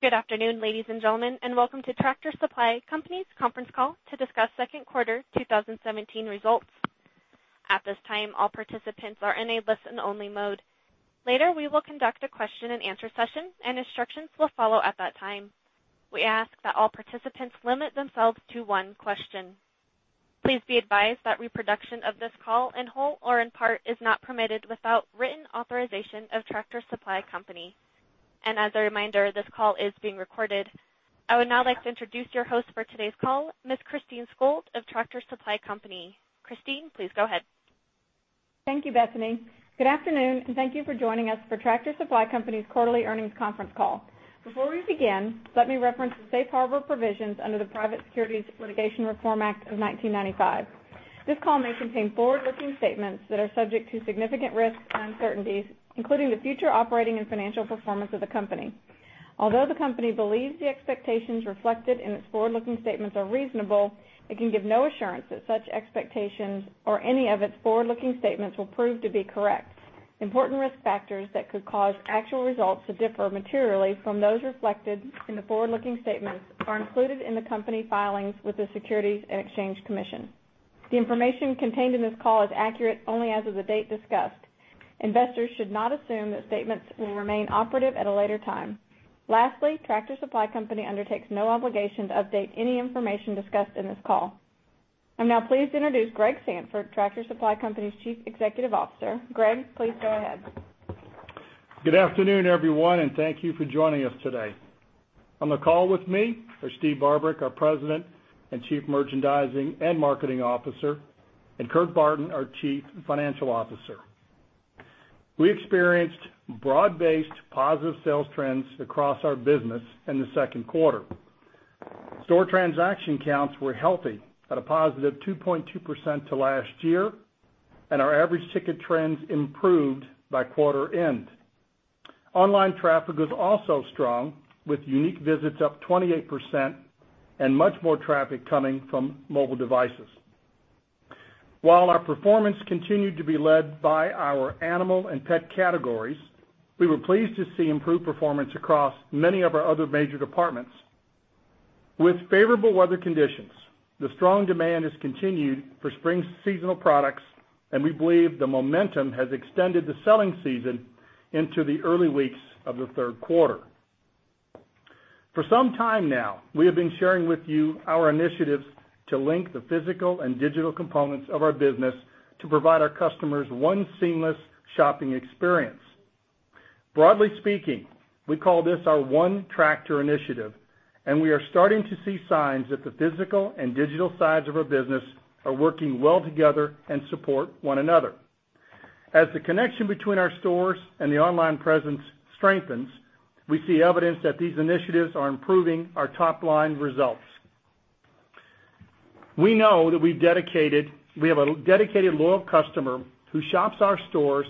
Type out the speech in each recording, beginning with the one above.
Good afternoon, ladies and gentlemen, welcome to Tractor Supply Company's conference call to discuss second quarter 2017 results. At this time, all participants are in a listen-only mode. Later, we will conduct a question and answer session, and instructions will follow at that time. We ask that all participants limit themselves to one question. Please be advised that reproduction of this call, in whole or in part, is not permitted without written authorization of Tractor Supply Company. As a reminder, this call is being recorded. I would now like to introduce your host for today's call, Ms. Christine Skold of Tractor Supply Company. Christine, please go ahead. Thank you, Bethany. Good afternoon, thank you for joining us for Tractor Supply Company's quarterly earnings conference call. Before we begin, let me reference the safe harbor provisions under the Private Securities Litigation Reform Act of 1995. This call may contain forward-looking statements that are subject to significant risks and uncertainties, including the future operating and financial performance of the company. Although the company believes the expectations reflected in its forward-looking statements are reasonable, it can give no assurance that such expectations or any of its forward-looking statements will prove to be correct. Important risk factors that could cause actual results to differ materially from those reflected in the forward-looking statements are included in the company filings with the Securities and Exchange Commission. The information contained in this call is accurate only as of the date discussed. Investors should not assume that statements will remain operative at a later time. Lastly, Tractor Supply Company undertakes no obligation to update any information discussed in this call. I am now pleased to introduce Greg Sandfort, Tractor Supply Company's Chief Executive Officer. Greg, please go ahead. Good afternoon, everyone, thank you for joining us today. On the call with me are Steve Barbarick, our President and Chief Merchandising and Marketing Officer, and Kurt Barton, our Chief Financial Officer. We experienced broad-based positive sales trends across our business in the second quarter. Store transaction counts were healthy at a positive 2.2% to last year, and our average ticket trends improved by quarter end. Online traffic was also strong, with unique visits up 28% and much more traffic coming from mobile devices. While our performance continued to be led by our animal and pet categories, we were pleased to see improved performance across many of our other major departments. With favorable weather conditions, the strong demand has continued for spring seasonal products, and we believe the momentum has extended the selling season into the early weeks of the third quarter. For some time now, we have been sharing with you our initiatives to link the physical and digital components of our business to provide our customers one seamless shopping experience. Broadly speaking, we call this our ONETractor initiative. We are starting to see signs that the physical and digital sides of our business are working well together and support one another. As the connection between our stores and the online presence strengthens, we see evidence that these initiatives are improving our top-line results. We know that we have a dedicated, loyal customer who shops our stores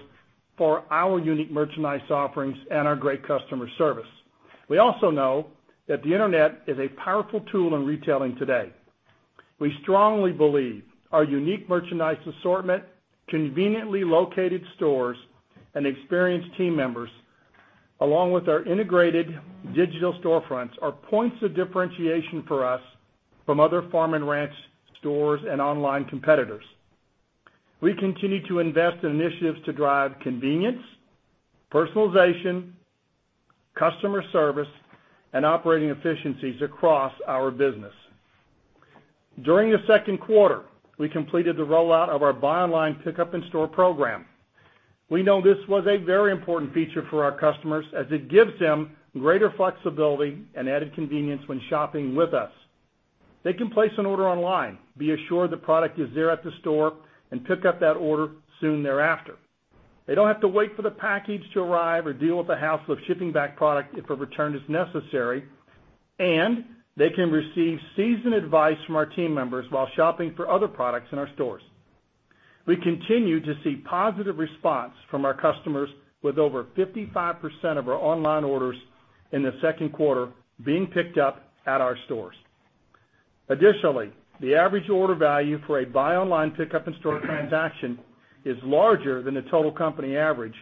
for our unique merchandise offerings and our great customer service. We also know that the Internet is a powerful tool in retailing today. We strongly believe our unique merchandise assortment, conveniently located stores, and experienced team members, along with our integrated digital storefronts, are points of differentiation for us from other farm and ranch stores and online competitors. We continue to invest in initiatives to drive convenience, personalization, customer service, and operating efficiencies across our business. During the second quarter, we completed the rollout of our Buy Online, Pickup In Store program. We know this was a very important feature for our customers as it gives them greater flexibility and added convenience when shopping with us. They can place an order online, be assured the product is there at the store, and pick up that order soon thereafter. They don't have to wait for the package to arrive or deal with the hassle of shipping back product if a return is necessary. They can receive seasoned advice from our team members while shopping for other products in our stores. We continue to see positive response from our customers, with over 55% of our online orders in the second quarter being picked up at our stores. Additionally, the average order value for a Buy Online, Pickup In Store transaction is larger than the total company average.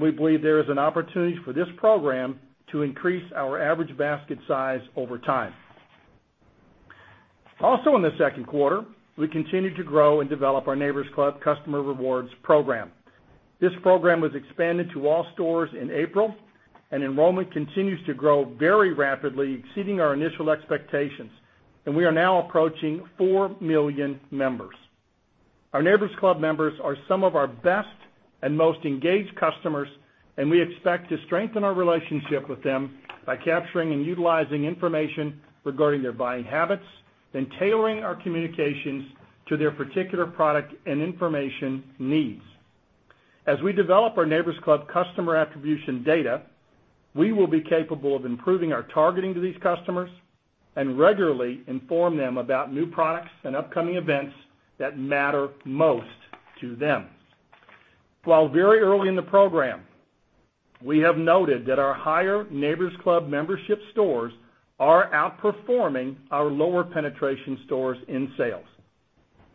We believe there is an opportunity for this program to increase our average basket size over time. In the second quarter, we continued to grow and develop our Neighbor's Club customer rewards program. This program was expanded to all stores in April. Enrollment continues to grow very rapidly, exceeding our initial expectations. We are now approaching 4 million members. Our Neighbor's Club members are some of our best and most engaged customers. We expect to strengthen our relationship with them by capturing and utilizing information regarding their buying habits, tailoring our communications to their particular product and information needs. As we develop our Neighbor's Club customer attribution data, we will be capable of improving our targeting to these customers and regularly inform them about new products and upcoming events that matter most to them. While very early in the program, we have noted that our higher Neighbor's Club membership stores are outperforming our lower penetration stores in sales.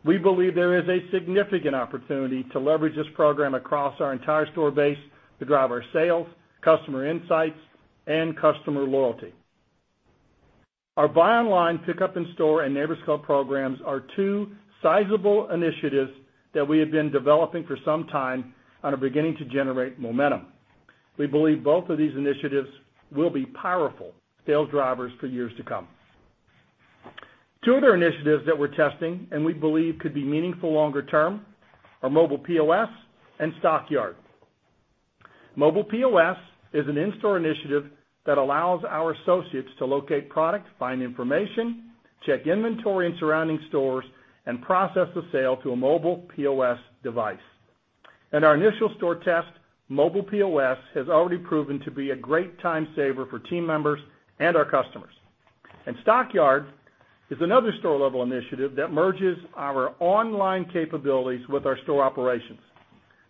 We believe there is a significant opportunity to leverage this program across our entire store base to drive our sales, customer insights, and customer loyalty. Our Buy Online, Pickup In Store and Neighbor's Club programs are two sizable initiatives that we have been developing for some time and are beginning to generate momentum. We believe both of these initiatives will be powerful sales drivers for years to come. Two other initiatives that we're testing, and we believe could be meaningful longer term, are Mobile POS and Stockyard. Mobile POS is an in-store initiative that allows our associates to locate product, find information, check inventory in surrounding stores, and process the sale through a Mobile POS device. In our initial store test, Mobile POS has already proven to be a great time saver for team members and our customers. Stockyard is another store-level initiative that merges our online capabilities with our store operations.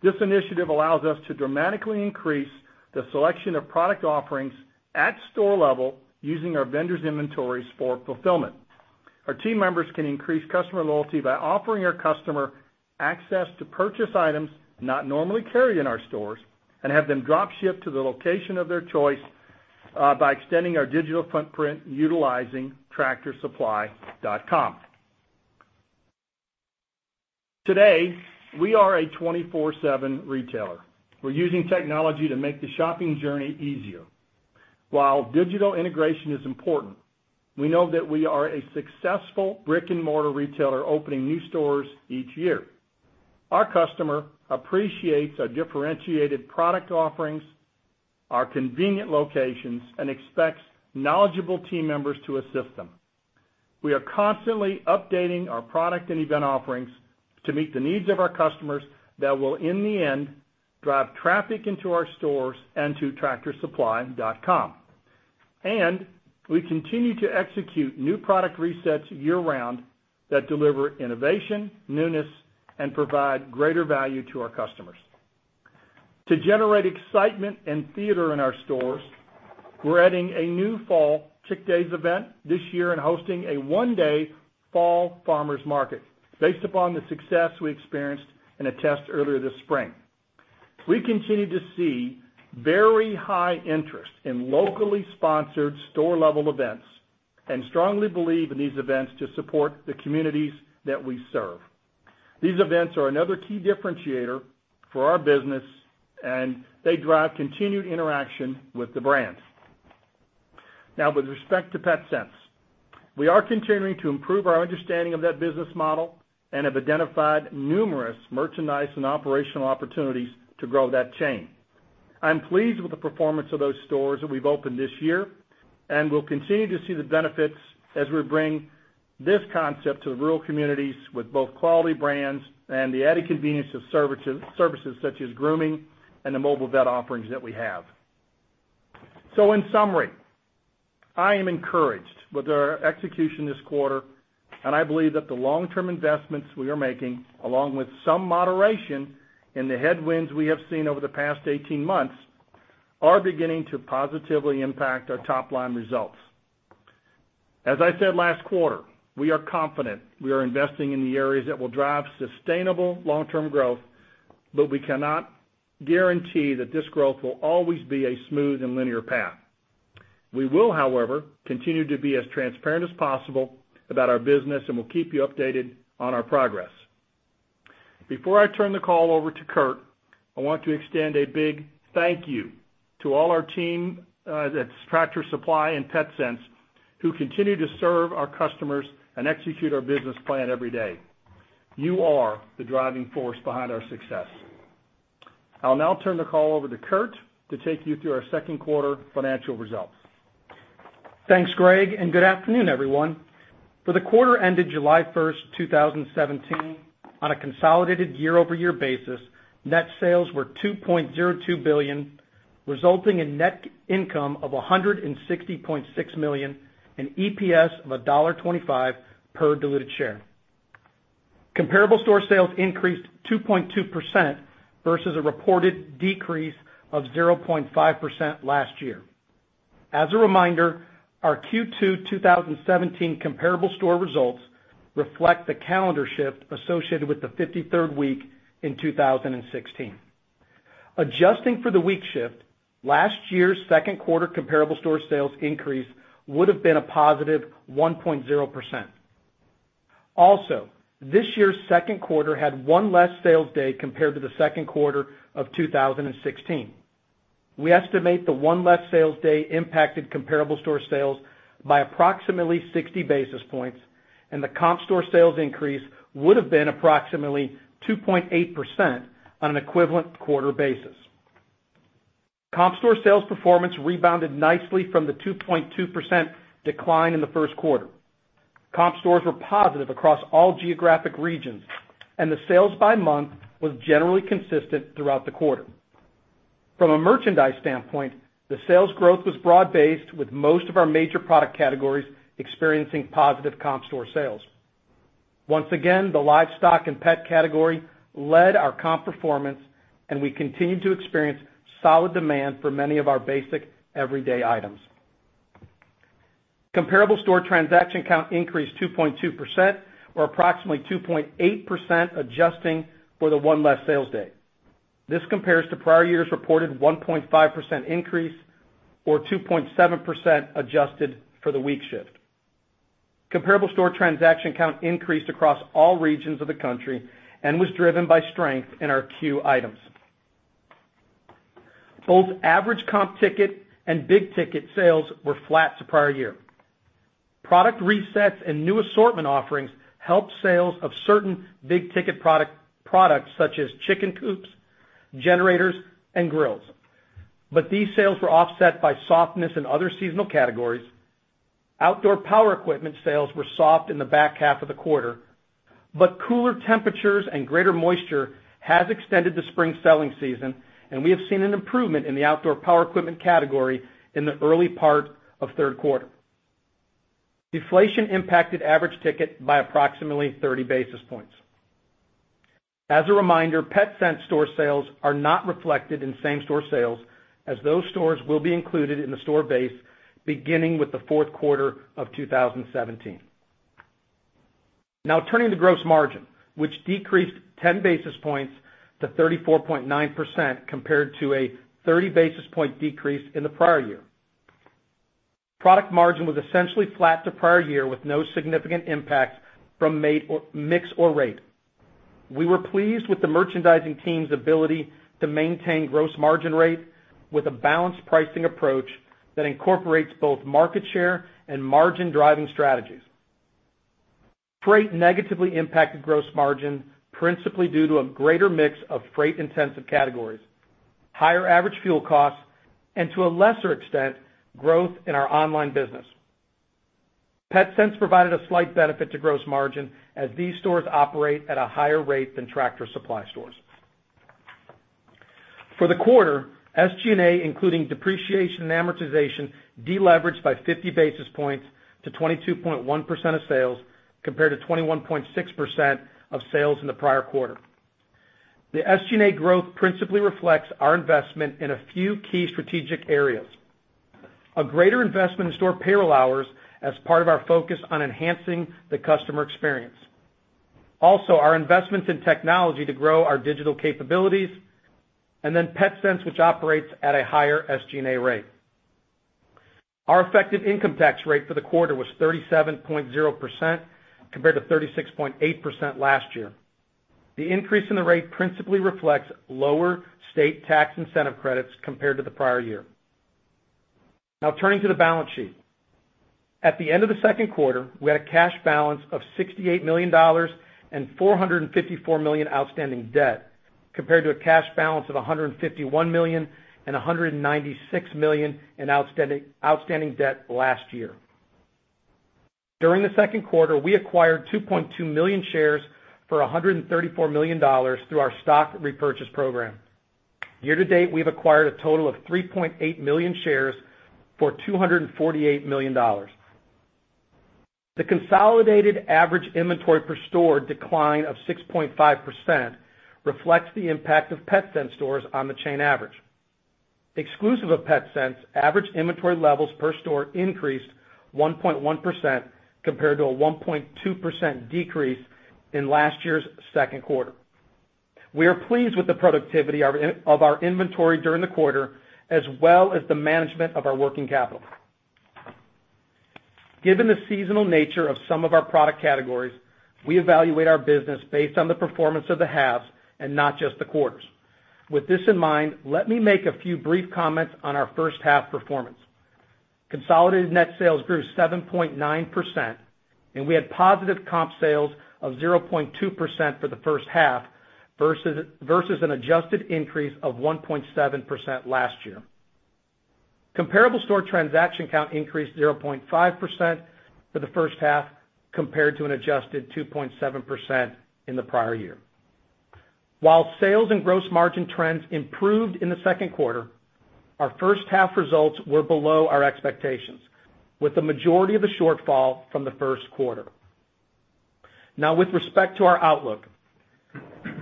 This initiative allows us to dramatically increase the selection of product offerings at store level, using our vendors' inventories for fulfillment. Our team members can increase customer loyalty by offering our customer access to purchase items not normally carried in our stores and have them drop-shipped to the location of their choice, by extending our digital footprint utilizing tractorsupply.com. Today, we are a 24/7 retailer. We're using technology to make the shopping journey easier. While digital integration is important, we know that we are a successful brick-and-mortar retailer, opening new stores each year. Our customer appreciates our differentiated product offerings, our convenient locations, and expects knowledgeable team members to assist them. We are constantly updating our product and event offerings to meet the needs of our customers that will, in the end, drive traffic into our stores and to tractorsupply.com. We continue to execute new product resets year-round that deliver innovation, newness, and provide greater value to our customers. To generate excitement and theater in our stores, we're adding a new fall Chick Days event this year and hosting a one-day fall Farmers Market based upon the success we experienced in a test earlier this spring. We continue to see very high interest in locally sponsored store-level events and strongly believe in these events to support the communities that we serve. These events are another key differentiator for our business, and they drive continued interaction with the brands. With respect to Petsense, we are continuing to improve our understanding of that business model and have identified numerous merchandise and operational opportunities to grow that chain. I'm pleased with the performance of those stores that we've opened this year, and we'll continue to see the benefits as we bring this concept to rural communities with both quality brands and the added convenience of services such as grooming and the mobile vet offerings that we have. In summary, I am encouraged with our execution this quarter, and I believe that the long-term investments we are making, along with some moderation in the headwinds we have seen over the past 18 months, are beginning to positively impact our top-line results. As I said last quarter, we are confident we are investing in the areas that will drive sustainable long-term growth, but we cannot guarantee that this growth will always be a smooth and linear path. We will, however, continue to be as transparent as possible about our business, and we'll keep you updated on our progress. Before I turn the call over to Kurt, I want to extend a big thank you to all our team at Tractor Supply and Petsense who continue to serve our customers and execute our business plan every day. You are the driving force behind our success. I'll now turn the call over to Kurt to take you through our second quarter financial results. Thanks, Greg, and good afternoon, everyone. For the quarter ended July 1st, 2017, on a consolidated year-over-year basis, net sales were $2.02 billion, resulting in net income of $160.6 million and EPS of $1.25 per diluted share. Comparable store sales increased 2.2% versus a reported decrease of 0.5% last year. As a reminder, our Q2 2017 comparable store results reflect the calendar shift associated with the 53rd week in 2016. Adjusting for the week shift, last year's second quarter comparable store sales increase would've been a positive 1.0%. Also, this year's second quarter had one less sales day compared to the second quarter of 2016. We estimate the one less sales day impacted comparable store sales by approximately 60 basis points, and the comp store sales increase would've been approximately 2.8% on an equivalent quarter basis. Comp store sales performance rebounded nicely from the 2.2% decline in the first quarter. Comp stores were positive across all geographic regions. The sales by month was generally consistent throughout the quarter. From a merchandise standpoint, the sales growth was broad-based, with most of our major product categories experiencing positive comp store sales. Once again, the livestock and pet category led our comp performance, and we continued to experience solid demand for many of our basic everyday items. Comparable store transaction count increased 2.2%, or approximately 2.8%, adjusting for the one less sales day. This compares to prior year's reported 1.5% increase, or 2.7% adjusted for the week shift. Comparable store transaction count increased across all regions of the country and was driven by strength in our C.U.E. items. Both average comp ticket and big-ticket sales were flat to prior year. Product resets and new assortment offerings helped sales of certain big-ticket products such as chicken coops, generators, and grills. These sales were offset by softness in other seasonal categories. Outdoor power equipment sales were soft in the back half of the quarter. Cooler temperatures and greater moisture has extended the spring selling season, and we have seen an improvement in the outdoor power equipment category in the early part of third quarter. Deflation impacted average ticket by approximately 30 basis points. As a reminder, Petsense store sales are not reflected in same-store sales, as those stores will be included in the store base beginning with the fourth quarter of 2017. Turning to gross margin, which decreased 10 basis points to 34.9%, compared to a 30 basis point decrease in the prior year. Product margin was essentially flat to prior year, with no significant impact from mix or rate. We were pleased with the merchandising team's ability to maintain gross margin rate with a balanced pricing approach that incorporates both market share and margin-driving strategies. Freight negatively impacted gross margin, principally due to a greater mix of freight-intensive categories, higher average fuel costs, and to a lesser extent, growth in our online business. Petsense provided a slight benefit to gross margin, as these stores operate at a higher rate than Tractor Supply Company stores. For the quarter, SG&A, including depreciation and amortization, deleveraged by 50 basis points to 22.1% of sales, compared to 21.6% of sales in the prior quarter. The SG&A growth principally reflects our investment in a few key strategic areas. A greater investment in store payroll hours as part of our focus on enhancing the customer experience. Also, our investments in technology to grow our digital capabilities, Petsense, which operates at a higher SG&A rate. Our effective income tax rate for the quarter was 37.0%, compared to 36.8% last year. The increase in the rate principally reflects lower state tax incentive credits compared to the prior year. Now turning to the balance sheet. At the end of the second quarter, we had a cash balance of $68 million and $454 million outstanding debt, compared to a cash balance of $151 million and $196 million in outstanding debt last year. During the second quarter, we acquired 2.2 million shares for $134 million through our stock repurchase program. Year to date, we've acquired a total of 3.8 million shares for $248 million. The consolidated average inventory per store decline of 6.5% reflects the impact of Petsense stores on the chain average. Exclusive of Petsense, average inventory levels per store increased 1.1%, compared to a 1.2% decrease in last year's second quarter. We are pleased with the productivity of our inventory during the quarter, as well as the management of our working capital. Given the seasonal nature of some of our product categories, we evaluate our business based on the performance of the halves and not just the quarters. With this in mind, let me make a few brief comments on our first half performance. Consolidated net sales grew 7.9%. We had positive comp sales of 0.2% for the first half, versus an adjusted increase of 1.7% last year. Comparable store transaction count increased 0.5% for the first half, compared to an adjusted 2.7% in the prior year. While sales and gross margin trends improved in the second quarter, our first half results were below our expectations, with the majority of the shortfall from the first quarter. Now with respect to our outlook.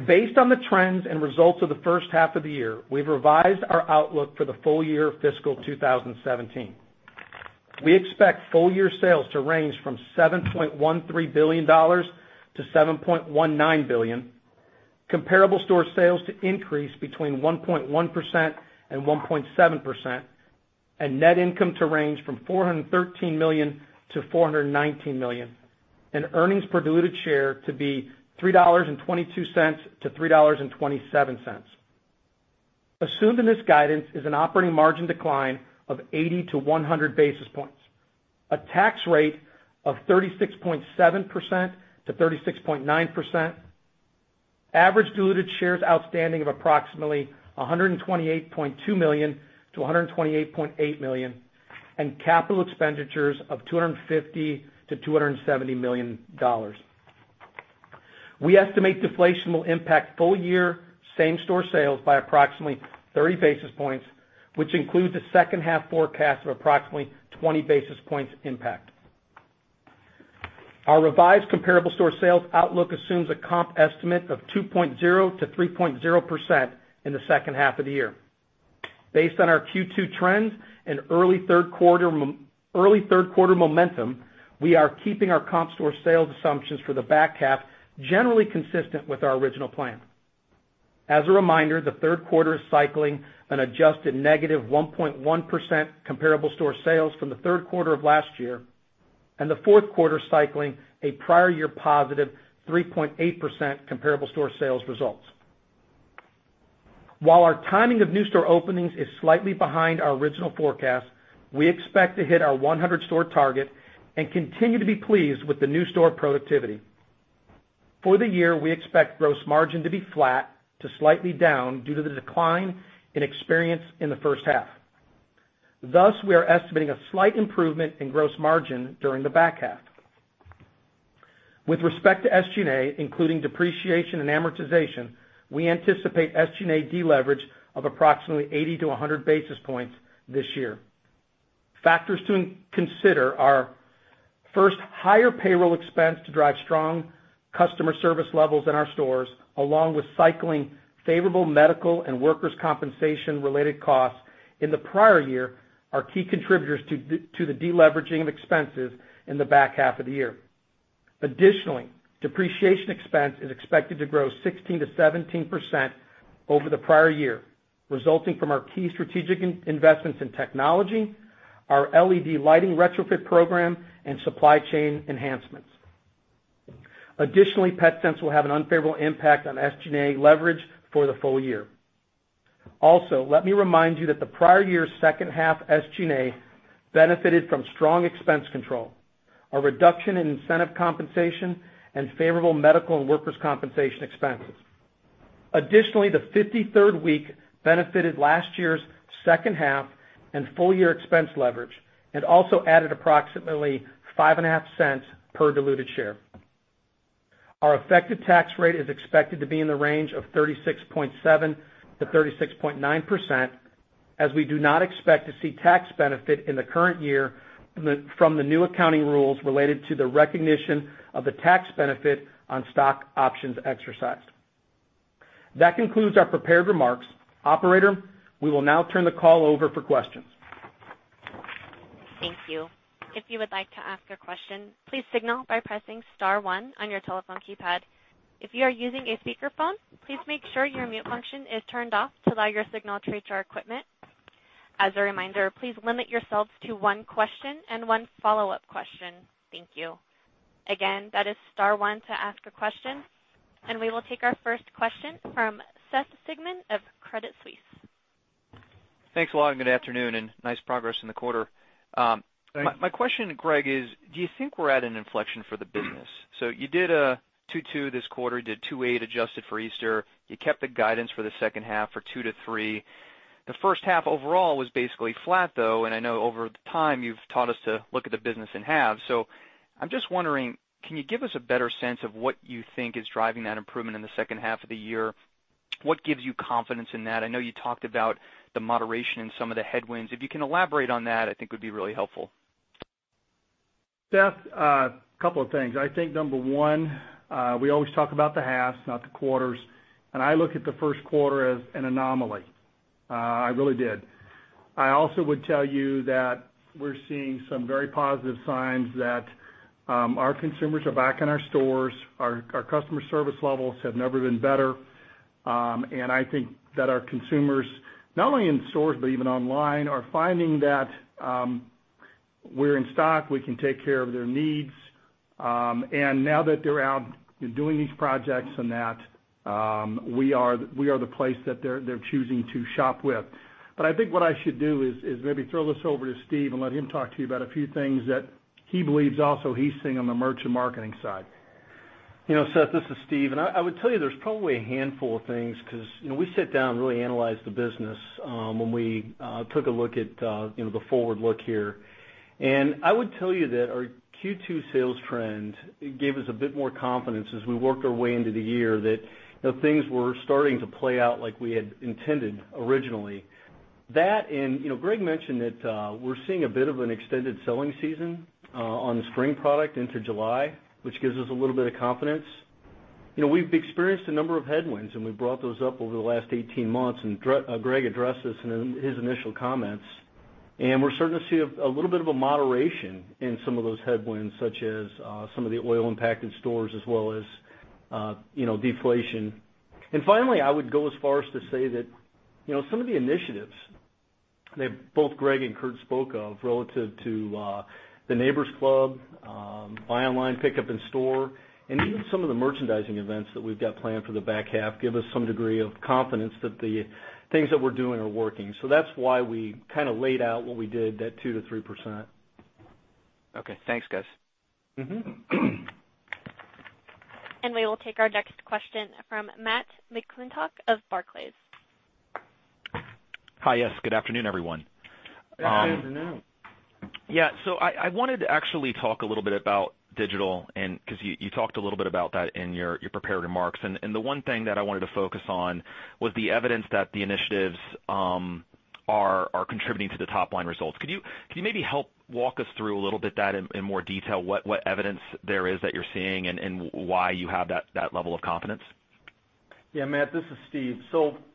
Based on the trends and results of the first half of the year, we've revised our outlook for the full year fiscal 2017. We expect full year sales to range from $7.13 billion-$7.19 billion, comparable store sales to increase between 1.1% and 1.7%. Net income to range from $413 million-$419 million, earnings per diluted share to be $3.22-$3.27. Assumed in this guidance is an operating margin decline of 80-100 basis points, a tax rate of 36.7%-36.9%, average diluted shares outstanding of approximately 128.2 million-128.8 million, capital expenditures of $250 million-$270 million. We estimate deflation will impact full-year same-store sales by approximately 30 basis points, which includes a second half forecast of approximately 20 basis points impact. Our revised comparable store sales outlook assumes a comp estimate of 2.0%-3.0% in the second half of the year. Based on our Q2 trends and early third quarter momentum, we are keeping our comp store sales assumptions for the back half generally consistent with our original plan. As a reminder, the third quarter is cycling an adjusted negative 1.1% comparable store sales from the third quarter of last year, and the fourth quarter cycling a prior year positive 3.8% comparable store sales results. While our timing of new store openings is slightly behind our original forecast, we expect to hit our 100-store target and continue to be pleased with the new store productivity. For the year, we expect gross margin to be flat to slightly down due to the decline in experience in the first half. We are estimating a slight improvement in gross margin during the back half. With respect to SG&A, including depreciation and amortization, we anticipate SG&A deleverage of approximately 80-100 basis points this year. Factors to consider are, first, higher payroll expense to drive strong customer service levels in our stores, along with cycling favorable medical and workers' compensation related costs in the prior year are key contributors to the deleveraging of expenses in the back half of the year. Additionally, depreciation expense is expected to grow 16%-17% over the prior year, resulting from our key strategic investments in technology, our LED lighting retrofit program, and supply chain enhancements. Additionally, Petsense will have an unfavorable impact on SG&A leverage for the full year. Let me remind you that the prior year's second half SG&A benefited from strong expense control, a reduction in incentive compensation, and favorable medical and workers' compensation expenses. Additionally, the 53rd week benefited last year's second half and full-year expense leverage and also added approximately $0.055 per diluted share. Our effective tax rate is expected to be in the range of 36.7%-36.9%, as we do not expect to see tax benefit in the current year from the new accounting rules related to the recognition of the tax benefit on stock options exercised. That concludes our prepared remarks. Operator, we will now turn the call over for questions. Thank you. If you would like to ask a question, please signal by pressing *1 on your telephone keypad. If you are using a speakerphone, please make sure your mute function is turned off to allow your signal to reach our equipment. As a reminder, please limit yourselves to one question and one follow-up question. Thank you. Again, that is *1 to ask a question, and we will take our first question from Seth Sigman of Credit Suisse. Thanks a lot. Good afternoon. Nice progress in the quarter. Thanks. My question, Greg, is, do you think we're at an inflection for the business? You did a 2.2% this quarter, did 2.8% adjusted for Easter. You kept the guidance for the second half for 2%-3%. The first half overall was basically flat, though. I know over time, you've taught us to look at the business in halves. I'm just wondering, can you give us a better sense of what you think is driving that improvement in the second half of the year? What gives you confidence in that? I know you talked about the moderation in some of the headwinds. If you can elaborate on that, I think would be really helpful. Seth, a couple of things. I think number one, we always talk about the halves, not the quarters. I look at the first quarter as an anomaly. I really did. I also would tell you that we're seeing some very positive signs that our consumers are back in our stores. Our customer service levels have never been better. I think that our consumers, not only in stores, but even online, are finding that we're in stock. We can take care of their needs. Now that they're out doing these projects and that, we are the place that they're choosing to shop with. I think what I should do is maybe throw this over to Steve and let him talk to you about a few things that he believes also he's seeing on the merchant marketing side. Seth, this is Steve. I would tell you there's probably a handful of things because we sit down and really analyze the business when we took a look at the forward look here. I would tell you that our Q2 sales trend gave us a bit more confidence as we worked our way into the year that things were starting to play out like we had intended originally. That. Greg mentioned that we're seeing a bit of an extended selling season on the spring product into July, which gives us a little bit of confidence. We've experienced a number of headwinds. We've brought those up over the last 18 months. Greg addressed this in his initial comments. We're starting to see a little bit of a moderation in some of those headwinds, such as some of the oil-impacted stores as well as deflation. Finally, I would go as far as to say that some of the initiatives that both Greg and Kurt spoke of relative to the Neighbor's Club, Buy Online, Pickup In Store, and even some of the merchandising events that we've got planned for the back half give us some degree of confidence that the things that we're doing are working. That's why we kind of laid out what we did, that 2%-3%. Okay, thanks, guys. We will take our next question from Matthew McClintock of Barclays. Hi, yes. Good afternoon, everyone. Good afternoon. Yeah. I wanted to actually talk a little bit about digital because you talked a little bit about that in your prepared remarks. The one thing that I wanted to focus on was the evidence that the initiatives are contributing to the top-line results. Could you maybe help walk us through a little bit that in more detail, what evidence there is that you're seeing and why you have that level of confidence? Yeah, Matt, this is Steve.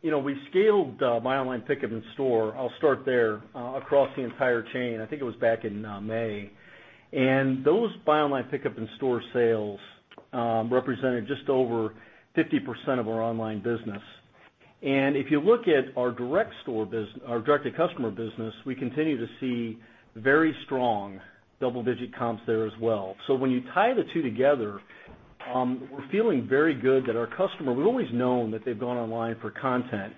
We scaled Buy Online, Pickup In Store, I'll start there, across the entire chain, I think it was back in May. Those Buy Online, Pickup In Store sales represented just over 50% of our online business. If you look at our direct-to-customer business, we continue to see very strong double-digit comps there as well. We're feeling very good that our customer. We've always known that they've gone online for content.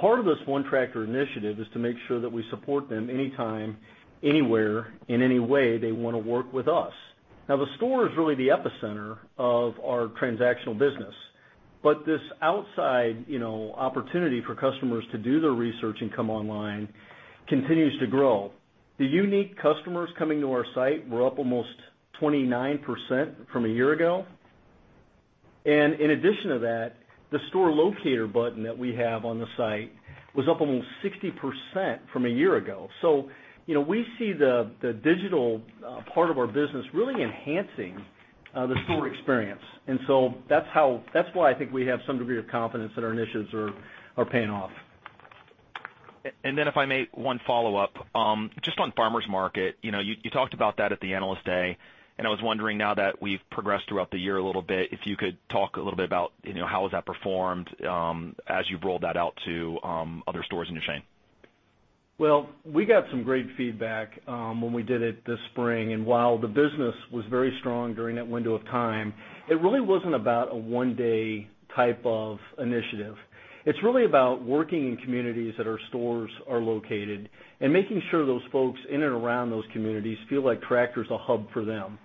Part of this ONETractor initiative is to make sure that we support them anytime, anywhere, in any way they want to work with us. Now, the store is really the epicenter of our transactional business. This outside opportunity for customers to do their research and come online continues to grow. The unique customers coming to our site were up almost 29% from a year ago. In addition to that, the store locator button that we have on the site was up almost 60% from a year ago. We see the digital part of our business really enhancing the store experience. That's why I think we have some degree of confidence that our initiatives are paying off. Then if I may, one follow-up. Just on Farmers Market, you talked about that at the Analyst Day. I was wondering now that we've progressed throughout the year a little bit, if you could talk a little bit about how has that performed as you've rolled that out to other stores in your chain. Well, we got some great feedback when we did it this spring. While the business was very strong during that window of time, it really wasn't about a one-day type of initiative. It's really about working in communities that our stores are located and making sure those folks in and around those communities feel like Tractor's a hub for them.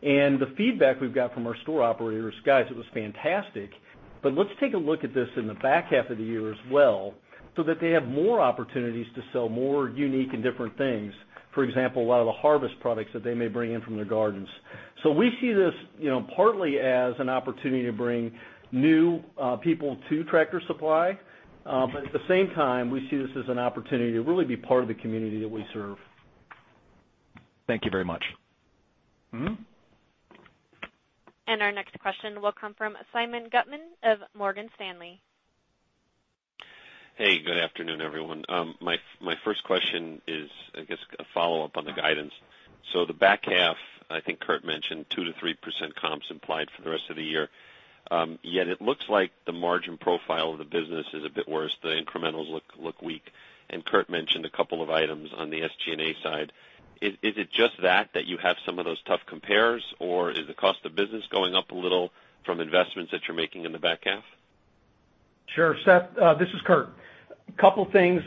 The feedback we've got from our store operators, guys, it was fantastic. Let's take a look at this in the back half of the year as well, so that they have more opportunities to sell more unique and different things. For example, a lot of the harvest products that they may bring in from their gardens. We see this partly as an opportunity to bring new people to Tractor Supply. At the same time, we see this as an opportunity to really be part of the community that we serve. Thank you very much. Our next question will come from Simeon Gutman of Morgan Stanley. Hey, good afternoon, everyone. My first question is, I guess, a follow-up on the guidance. The back half, I think Kurt mentioned 2%-3% comps implied for the rest of the year. Yet it looks like the margin profile of the business is a bit worse. The incrementals look weak. Kurt mentioned a couple of items on the SG&A side. Is it just that you have some of those tough compares, or is the cost of business going up a little from investments that you're making in the back half? Sure, Seth, this is Kurt. Couple things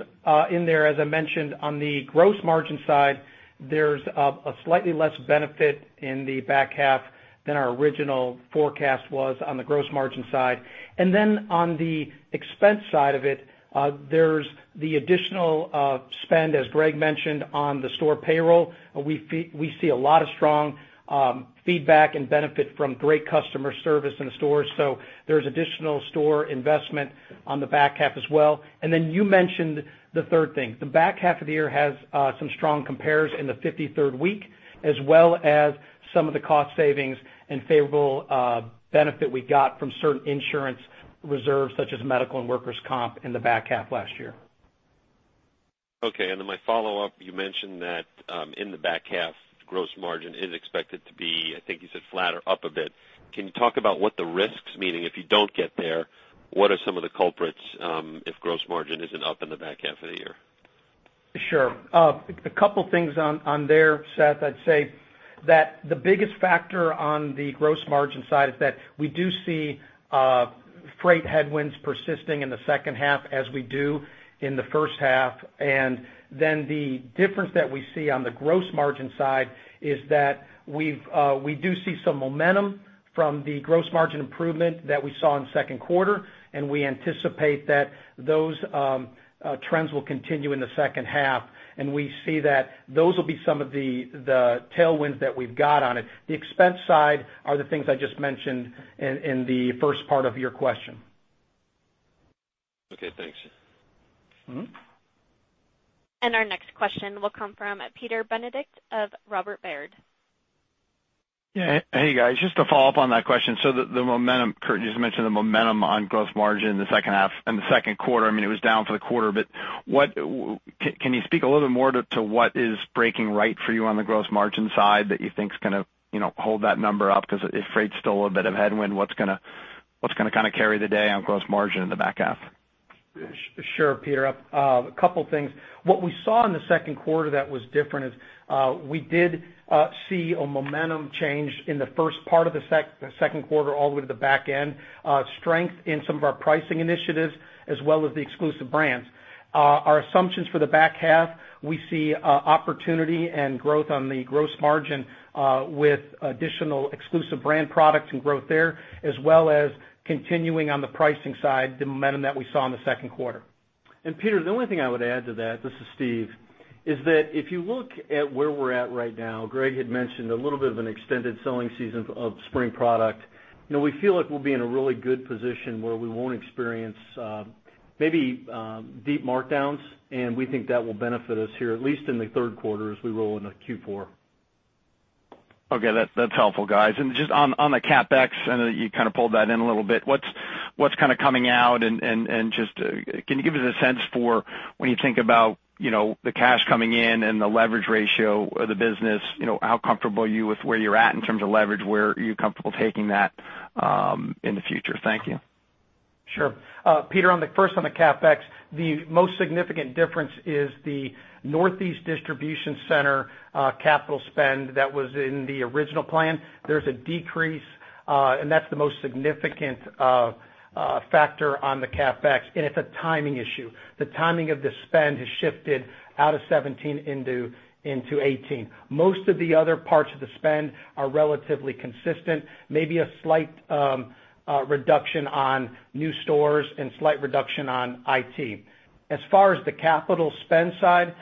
in there. As I mentioned, on the gross margin side, there's a slightly less benefit in the back half than our original forecast was on the gross margin side. On the expense side of it, there's the additional spend, as Greg mentioned, on the store payroll. We see a lot of strong feedback and benefit from great customer service in the stores. There's additional store investment on the back half as well. You mentioned the third thing. The back half of the year has some strong compares in the 53rd week, as well as some of the cost savings and favorable benefit we got from certain insurance reserves, such as medical and workers' comp in the back half last year. Okay, my follow-up, you mentioned that in the back half, gross margin is expected to be, I think you said flat or up a bit. Can you talk about what the risks, meaning if you don't get there, what are some of the culprits if gross margin isn't up in the back half of the year? Sure. A couple things on there, Seth. I'd say that the biggest factor on the gross margin side is that we do see freight headwinds persisting in the second half as we do in the first half. The difference that we see on the gross margin side is that we do see some momentum from the gross margin improvement that we saw in second quarter, and we anticipate that those trends will continue in the second half. We see that those will be some of the tailwinds that we've got on it. The expense side are the things I just mentioned in the first part of your question. Okay, thanks. Our next question will come from Peter Benedict of Robert W. Baird. Yeah. Hey, guys. Just to follow up on that question. The momentum, Kurt, you just mentioned the momentum on gross margin in the second quarter. It was down for the quarter, but can you speak a little bit more to what is breaking right for you on the gross margin side that you think is going to hold that number up? If freight's still a bit of a headwind, what's going to carry the day on gross margin in the back half? Sure, Peter. A couple things. What we saw in the second quarter that was different is, we did see a momentum change in the first part of the second quarter all the way to the back end. Strength in some of our pricing initiatives as well as the exclusive brands. Our assumptions for the back half, we see opportunity and growth on the gross margin with additional exclusive brand products and growth there, as well as continuing on the pricing side, the momentum that we saw in the second quarter. Peter, the only thing I would add to that, this is Steve, is that if you look at where we're at right now, Greg had mentioned a little bit of an extended selling season of spring product. We feel like we'll be in a really good position where we won't experience maybe deep markdowns, and we think that will benefit us here, at least in the third quarter as we roll into Q4. Okay. That's helpful, guys. Just on the CapEx, I know that you kind of pulled that in a little bit. What's coming out and just can you give us a sense for when you think about the cash coming in and the leverage ratio of the business, how comfortable are you with where you're at in terms of leverage? Where are you comfortable taking that in the future? Thank you. Sure. Peter, first on the CapEx, the most significant difference is the Northeast distribution center capital spend that was in the original plan. There's a decrease, and that's the most significant factor on the CapEx, and it's a timing issue. The timing of the spend has shifted out of 2017 into 2018. Most of the other parts of the spend are relatively consistent, maybe a slight reduction on new stores and slight reduction on IT. As far as the capital spend side,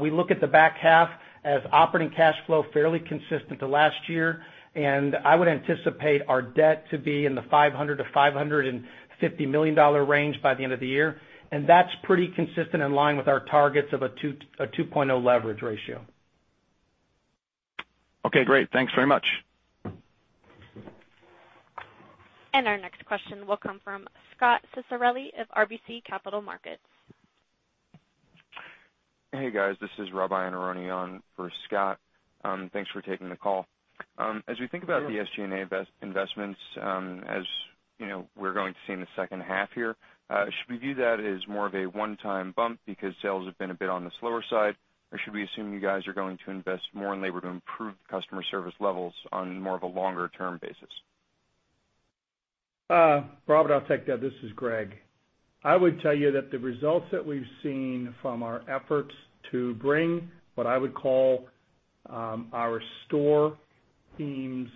we look at the back half as operating cash flow fairly consistent to last year, and I would anticipate our debt to be in the $500 million-$550 million range by the end of the year. That's pretty consistent in line with our targets of a 2.0 leverage ratio. Okay, great. Thanks very much. Our next question will come from Scot Ciccarelli of RBC Capital Markets. Hey, guys. This is Robert Iannarone on for Scot. Thanks for taking the call. As we think about the SG&A investments, as we're going to see in the second half here, should we view that as more of a one-time bump because sales have been a bit on the slower side? Or should we assume you guys are going to invest more in labor to improve customer service levels on more of a longer-term basis? Rob, I'll take that. This is Greg. I would tell you that the results that we've seen from our efforts to bring what I would call our store teams'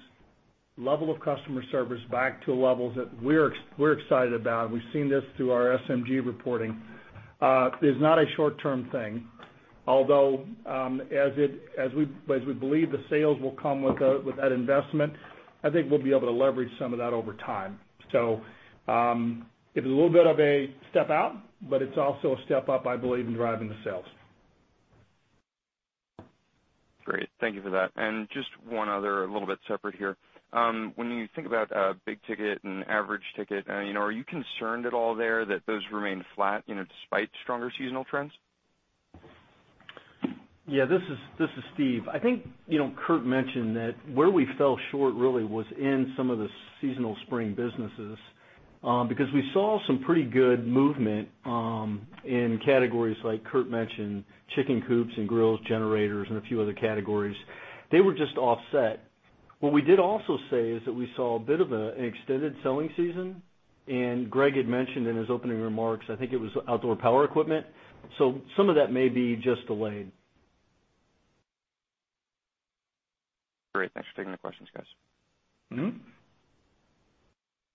level of customer service back to levels that we're excited about, and we've seen this through our SMG reporting, is not a short-term thing. As we believe the sales will come with that investment, I think we'll be able to leverage some of that over time. It's a little bit of a step out, but it's also a step up, I believe, in driving the sales. Great. Thank you for that. Just one other, a little bit separate here. When you think about big ticket and average ticket, are you concerned at all there that those remain flat despite stronger seasonal trends? Yeah. This is Steve. I think Kurt mentioned that where we fell short really was in some of the seasonal spring businesses because we saw some pretty good movement in categories like Kurt mentioned, chicken coops and grills, generators, and a few other categories. They were just offset. What we did also say is that we saw a bit of an extended selling season, Greg had mentioned in his opening remarks, I think it was outdoor power equipment. Some of that may be just delayed. Great. Thanks for taking the questions, guys.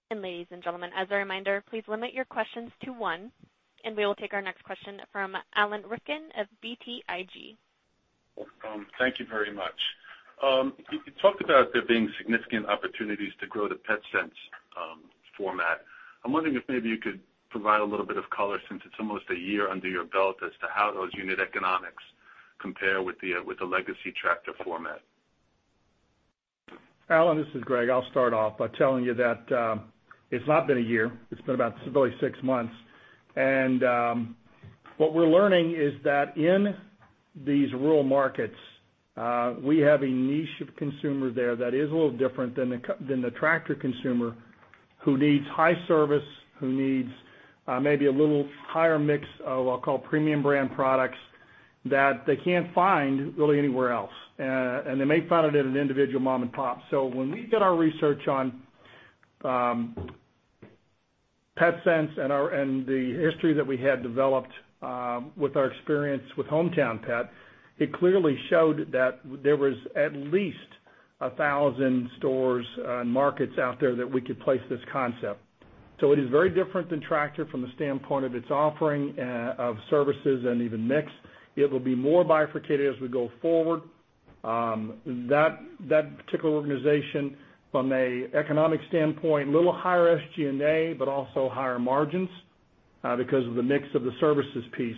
Ladies and gentlemen, as a reminder, please limit your questions to one, and we will take our next question from Alan Rifkin of BTIG. Thank you very much. You talked about there being significant opportunities to grow the Petsense format. I'm wondering if maybe you could provide a little bit of color since it's almost a year under your belt as to how those unit economics compare with the legacy Tractor format. Alan, this is Greg. I'll start off by telling you that it's not been a year. It's been about six months. What we're learning is that in these rural markets, we have a niche of consumer there that is a little different than the Tractor consumer who needs high service, who needs maybe a little higher mix of what I'll call premium brand products that they can't find really anywhere else. They may find it at an individual mom and pop. When we did our research on Petsense and the history that we had developed with our experience with HomeTown Pet, it clearly showed that there was at least 1,000 stores and markets out there that we could place this concept. It is very different than Tractor from the standpoint of its offering of services and even mix. It will be more bifurcated as we go forward. That particular organization from an economic standpoint, little higher SG&A, also higher margins because of the mix of the services piece.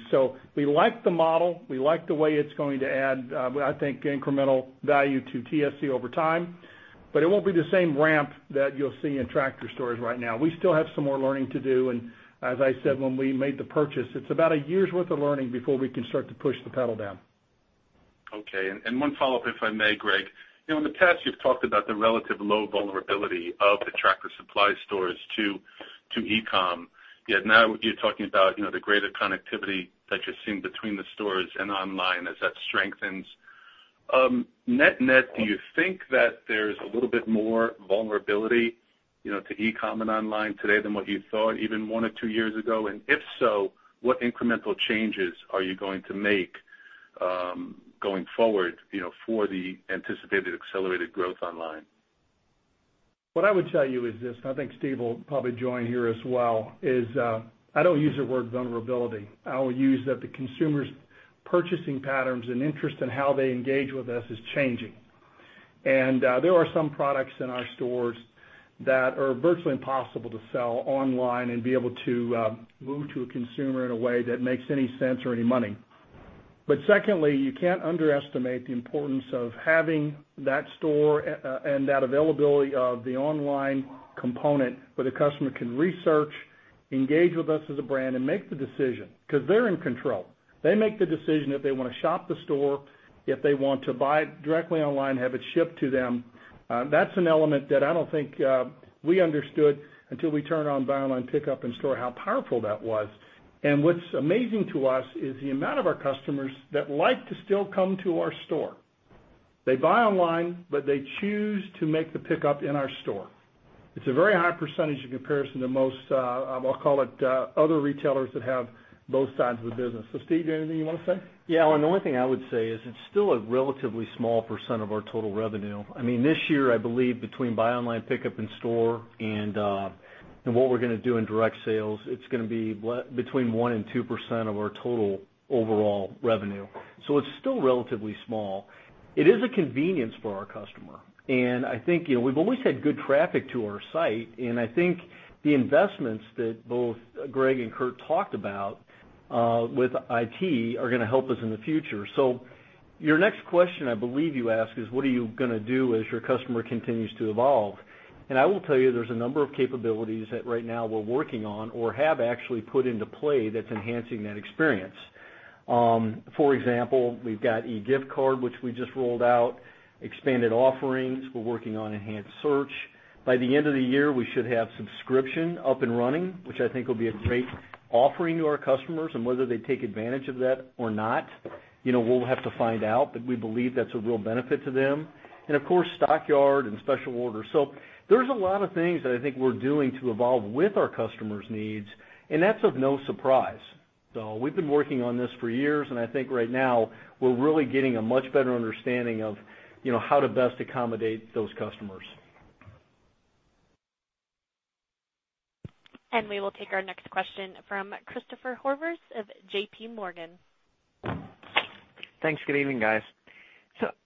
We like the model. We like the way it's going to add, I think incremental value to TSC over time, it won't be the same ramp that you'll see in Tractor stores right now. We still have some more learning to do, as I said when we made the purchase, it's about a year's worth of learning before we can start to push the pedal down. Okay. One follow-up if I may, Greg. In the past, you've talked about the relative low vulnerability of the Tractor Supply stores to e-com. Now you're talking about the greater connectivity that you're seeing between the stores and online as that strengthens. Net net, do you think that there's a little bit more vulnerability to e-com and online today than what you thought even one or two years ago? If so, what incremental changes are you going to make going forward for the anticipated accelerated growth online? What I would tell you is this, I think Steve will probably join here as well, is I don't use the word vulnerability. I will use that the consumer's purchasing patterns and interest in how they engage with us is changing. There are some products in our stores that are virtually impossible to sell online and be able to move to a consumer in a way that makes any sense or any money. Secondly, you can't underestimate the importance of having that store and that availability of the online component where the customer can research, engage with us as a brand, and make the decision. Because they're in control. They make the decision if they want to shop the store, if they want to buy directly online, have it shipped to them. That's an element that I don't think we understood until we turned on Buy Online, Pickup In Store, how powerful that was. What's amazing to us is the amount of our customers that like to still come to our store. They buy online, but they choose to make the pickup in our store. It's a very high percentage in comparison to most, I'll call it, other retailers that have both sides of the business. Steve, anything you want to say? Yeah, Alan, the only thing I would say is it's still a relatively small percent of our total revenue. This year, I believe between Buy Online, Pickup In Store, and what we're going to do in direct sales, it's going to be between 1% and 2% of our total overall revenue. It's still relatively small. It is a convenience for our customer. I think we've always had good traffic to our site, and I think the investments that both Greg and Kurt talked about with IT are going to help us in the future. Your next question, I believe you ask, is what are you going to do as your customer continues to evolve? I will tell you, there's a number of capabilities that right now we're working on or have actually put into play that's enhancing that experience. For example, we've got e-gift card, which we just rolled out, expanded offerings. We're working on enhanced search. By the end of the year, we should have subscription up and running, which I think will be a great offering to our customers, and whether they take advantage of that or not we'll have to find out, but we believe that's a real benefit to them. Of course, Stockyard and special orders. There's a lot of things that I think we're doing to evolve with our customers' needs, and that's of no surprise. We've been working on this for years, and I think right now we're really getting a much better understanding of how to best accommodate those customers. We will take our next question from Christopher Horvers of J.P. Morgan. Thanks. Good evening, guys.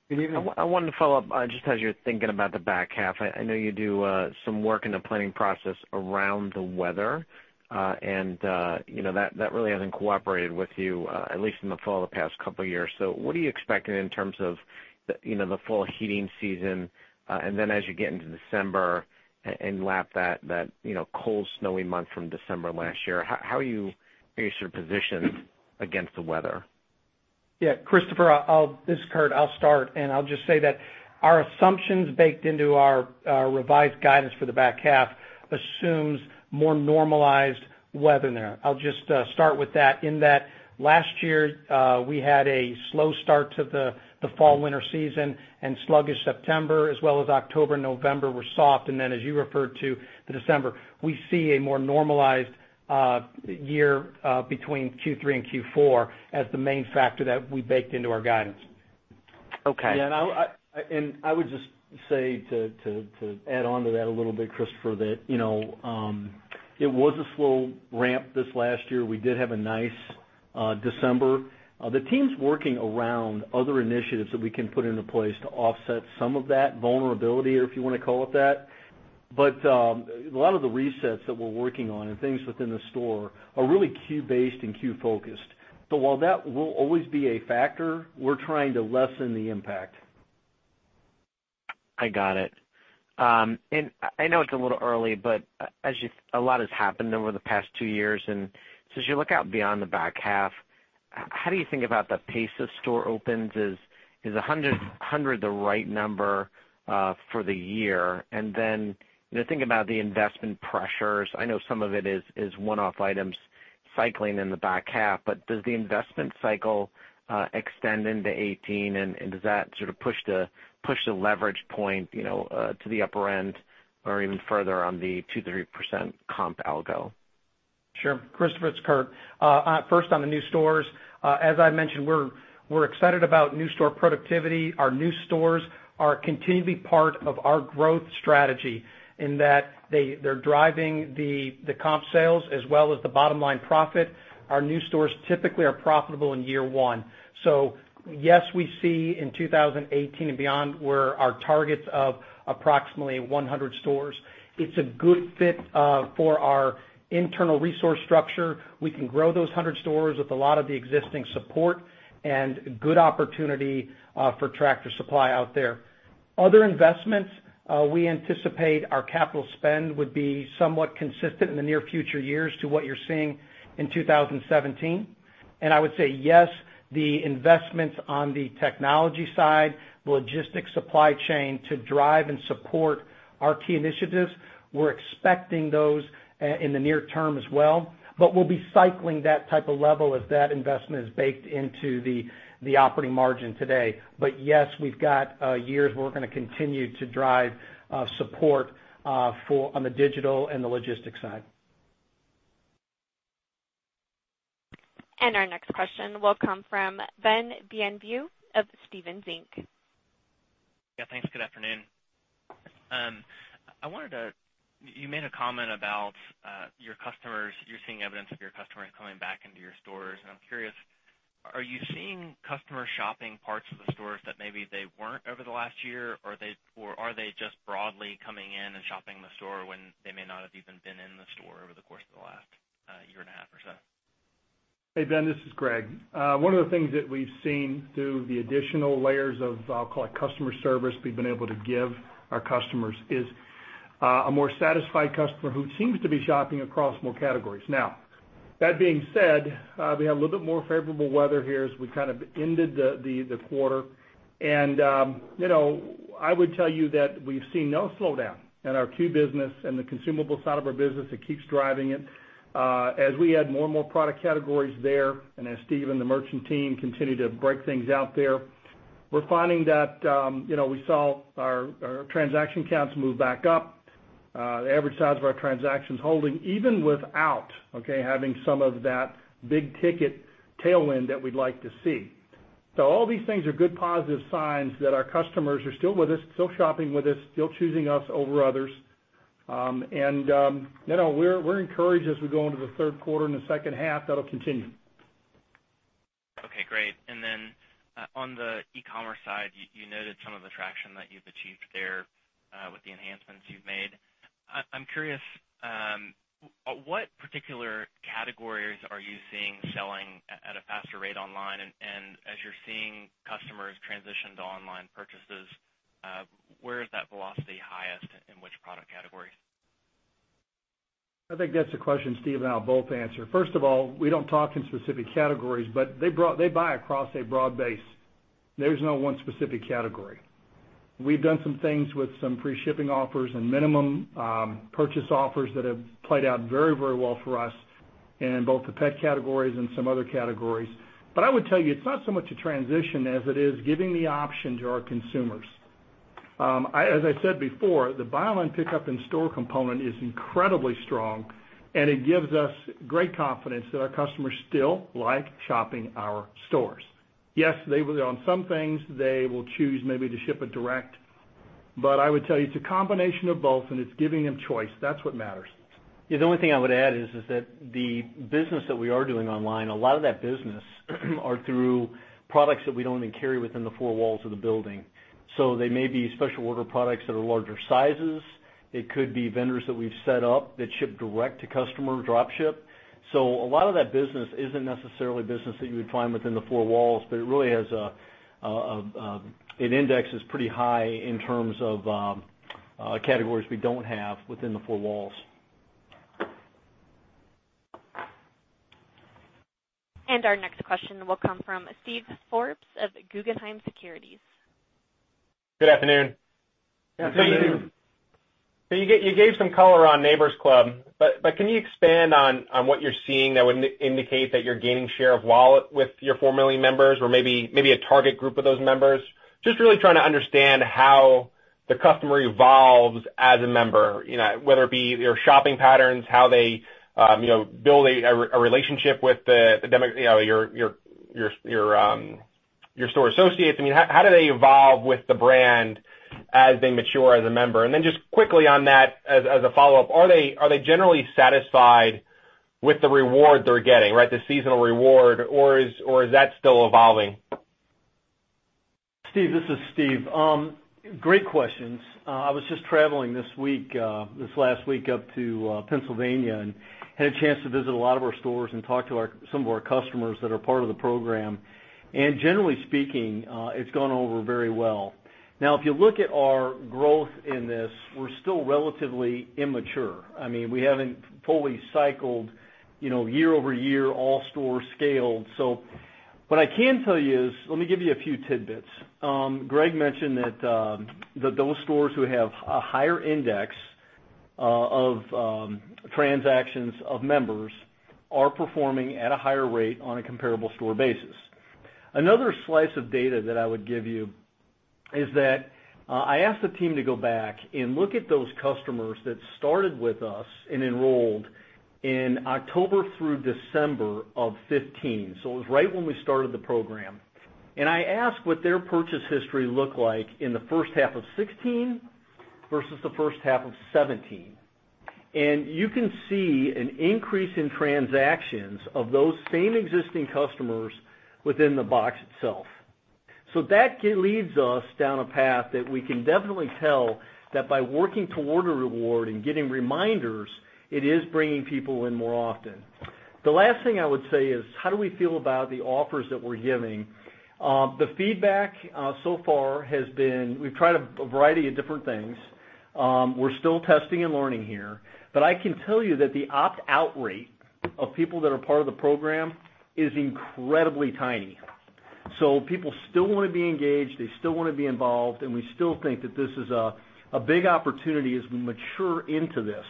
Good evening. I wanted to follow up, just as you're thinking about the back half, I know you do some work in the planning process around the weather. That really hasn't cooperated with you, at least in the fall the past couple of years. What are you expecting in terms of the full heating season, and then as you get into December and lap that cold snowy month from December last year. How are you sort of positioned against the weather? Christopher, this is Kurt. I'll start. I'll just say that our assumptions baked into our revised guidance for the back half assumes more normalized weather there. I'll just start with that, in that last year, we had a slow start to the fall-winter season, sluggish September as well as October, November were soft. Then, as you referred to, the December. We see a more normalized year between Q3 and Q4 as the main factor that we baked into our guidance. Okay. Yeah. I would just say to add on to that a little bit, Christopher, that it was a slow ramp this last year. We did have a nice December. The team's working around other initiatives that we can put into place to offset some of that vulnerability, or if you want to call it that. A lot of the resets that we're working on and things within the store are really Q based and Q focused. While that will always be a factor, we're trying to lessen the impact. I got it. I know it's a little early, but a lot has happened over the past two years, as you look out beyond the back half, how do you think about the pace of store opens? Is 100 the right number for the year? Thinking about the investment pressures, I know some of it is one-off items cycling in the back half, but does the investment cycle extend into 2018, and does that sort of push the leverage point to the upper end or even further on the 2%-3% comp algo? Sure. Christopher, it's Kurt. First on the new stores, as I mentioned, we're excited about new store productivity. Our new stores are continually part of our growth strategy in that they're driving the comp sales as well as the bottom-line profit. Our new stores typically are profitable in year one. Yes, we see in 2018 and beyond were our targets of approximately 100 stores. It's a good fit for our internal resource structure. We can grow those 100 stores with a lot of the existing support and good opportunity for Tractor Supply out there. Other investments, we anticipate our capital spend would be somewhat consistent in the near future years to what you're seeing in 2017. I would say, yes, the investments on the technology side, logistics supply chain to drive and support our key initiatives, we're expecting those in the near term as well. We'll be cycling that type of level as that investment is baked into the operating margin today. Yes, we've got years where we're going to continue to drive support on the digital and the logistics side. Our next question will come from Ben Bienvenu of Stephens Inc. Thanks. Good afternoon. You made a comment about your customers. You're seeing evidence of your customers coming back into your stores, I'm curious, are you seeing customers shopping parts of the stores that maybe they weren't over the last year? Are they just broadly coming in and shopping the store when they may not have even been in the store over the course of the last year and a half or so? Hey, Ben, this is Greg. One of the things that we've seen through the additional layers of, I'll call it customer service we've been able to give our customers, is a more satisfied customer who seems to be shopping across more categories. That being said, we have a little bit more favorable weather here as we ended the quarter. I would tell you that we've seen no slowdown in our C.U.E. business and the consumable side of our business. It keeps driving it. As we add more and more product categories there, as Steve and the merchant team continue to break things out there, we're finding that we saw our transaction counts move back up, the average size of our transactions holding even without having some of that big-ticket tailwind that we'd like to see. All these things are good positive signs that our customers are still with us, still shopping with us, still choosing us over others. We're encouraged as we go into the third quarter and the second half, that'll continue. Okay, great. On the e-commerce side, you noted some of the traction that you've achieved there with the enhancements you've made. I'm curious, what particular categories are you seeing selling at a faster rate online? As you're seeing customers transition to online purchases, where is that velocity highest, in which product categories? I think that's a question Steve and I will both answer. First of all, we don't talk in specific categories, they buy across a broad base. There's no one specific category. We've done some things with some free shipping offers and minimum purchase offers that have played out very well for us in both the pet categories and some other categories. I would tell you, it's not so much a transition as it is giving the option to our consumers. As I said before, the Buy Online, Pickup In Store component is incredibly strong, and it gives us great confidence that our customers still like shopping in our stores. Yes, on some things, they will choose maybe to ship it direct, I would tell you, it's a combination of both, it's giving them choice. That's what matters. The only thing I would add is that the business that we are doing online, a lot of that business are through products that we don't even carry within the four walls of the building. They may be special order products that are larger sizes. It could be vendors that we've set up that ship direct to customer, drop ship. A lot of that business isn't necessarily business that you would find within the four walls, but it really has an index that's pretty high in terms of categories we don't have within the four walls. Our next question will come from Steven Forbes of Guggenheim Securities. Good afternoon. Afternoon. Afternoon. You gave some color on Neighbor's Club, but can you expand on what you're seeing that would indicate that you're gaining share of wallet with your 4 million members, or maybe a target group of those members? Just really trying to understand how the customer evolves as a member, whether it be their shopping patterns, how they build a relationship with your store associates. How do they evolve with the brand as they mature as a member? Then just quickly on that as a follow-up, are they generally satisfied with the reward they're getting, right, the seasonal reward, or is that still evolving? Steve, this is Steve. Great questions. I was just traveling this last week up to Pennsylvania and had a chance to visit a lot of our stores and talk to some of our customers that are part of the program. Generally speaking, it's gone over very well. Now, if you look at our growth in this, we're still relatively immature. We haven't fully cycled year-over-year all store scale. What I can tell you is, let me give you a few tidbits. Greg mentioned that those stores who have a higher index of transactions of members are performing at a higher rate on a comparable store basis. Another slice of data that I would give you is that I asked the team to go back and look at those customers that started with us and enrolled in October through December of 2015, so it was right when we started the program. I asked what their purchase history looked like in the first half of 2016 versus the first half of 2017. You can see an increase in transactions of those same existing customers within the box itself. That leads us down a path that we can definitely tell that by working toward a reward and getting reminders, it is bringing people in more often. The last thing I would say is, how do we feel about the offers that we're giving? The feedback so far has been, we've tried a variety of different things. We're still testing and learning here, I can tell you that the opt-out rate of people that are part of the program is incredibly tiny. People still want to be engaged, they still want to be involved, and we still think that this is a big opportunity as we mature into this.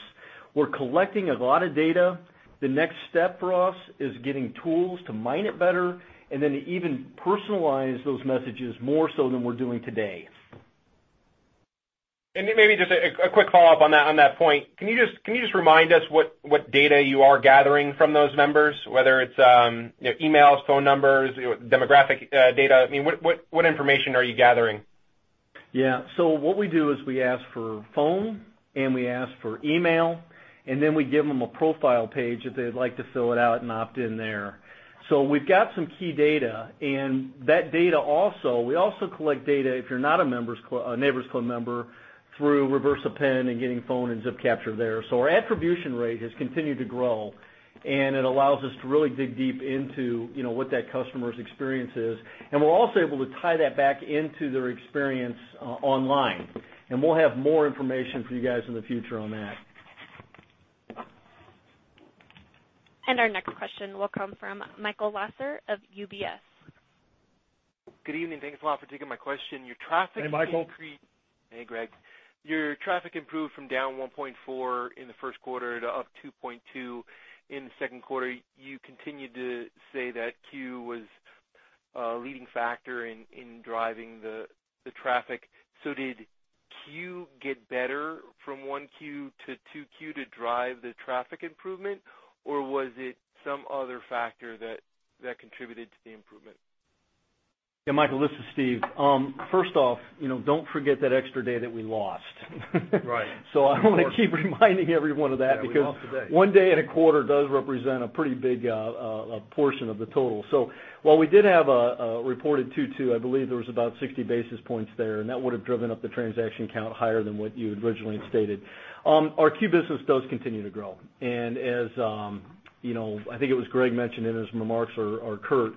We're collecting a lot of data. The next step for us is getting tools to mine it better and then even personalize those messages more so than we're doing today. Maybe just a quick follow-up on that point. Can you just remind us what data you are gathering from those members, whether it's emails, phone numbers, demographic data? What information are you gathering? Yeah. What we do is we ask for phone and we ask for email, we give them a profile page if they'd like to fill it out and opt in there. We've got some key data, and that data also, we also collect data if you're not a Neighbor's Club member through reverse append and getting phone and zip capture there. Our attribution rate has continued to grow, it allows us to really dig deep into what that customer's experience is. We're also able to tie that back into their experience online. We'll have more information for you guys in the future on that. Our next question will come from Michael Lasser of UBS. Good evening. Thank you so much for taking my question. Hey, Michael. Hey, Greg. Your traffic improved from down 1.4 in the first quarter to up 2.2 in the second quarter. You continued to say that Q was a leading factor in driving the traffic. Did Q get better from 1 Q to 2 Q to drive the traffic improvement, or was it some other factor that contributed to the improvement? Yeah, Michael, this is Steve. First off, don't forget that extra day that we lost. Right. I want to keep reminding everyone of that. Yeah, we lost a day. One day in a quarter does represent a pretty big portion of the total. So while we did have a reported Q2, I believe there was about 60 basis points there, and that would've driven up the transaction count higher than what you had originally stated. Our Q business does continue to grow. As I think it was Greg mentioned in his remarks, or Kurt,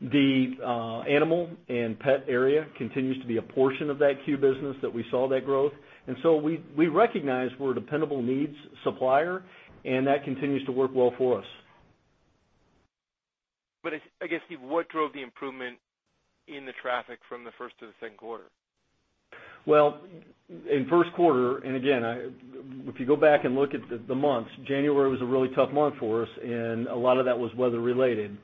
the animal and pet area continues to be a portion of that Q business that we saw that growth. We recognize we're a dependable needs supplier, and that continues to work well for us. I guess, Steve, what drove the improvement in the traffic from the first to the second quarter? In first quarter, again, if you go back and look at the months, January was a really tough month for us, a lot of that was weather related.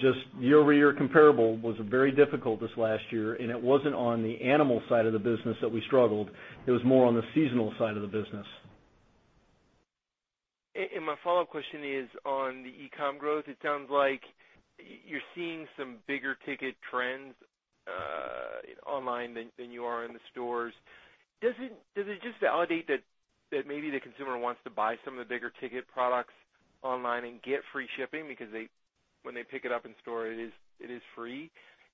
Just year-over-year comparable was very difficult this last year, it wasn't on the animal side of the business that we struggled. It was more on the seasonal side of the business. My follow-up question is on the e-com growth. It sounds like you're seeing some bigger ticket trends online than you are in the stores. Does it just validate that maybe the consumer wants to buy some of the bigger ticket products online and get free shipping because when they pick it up in store, it is free?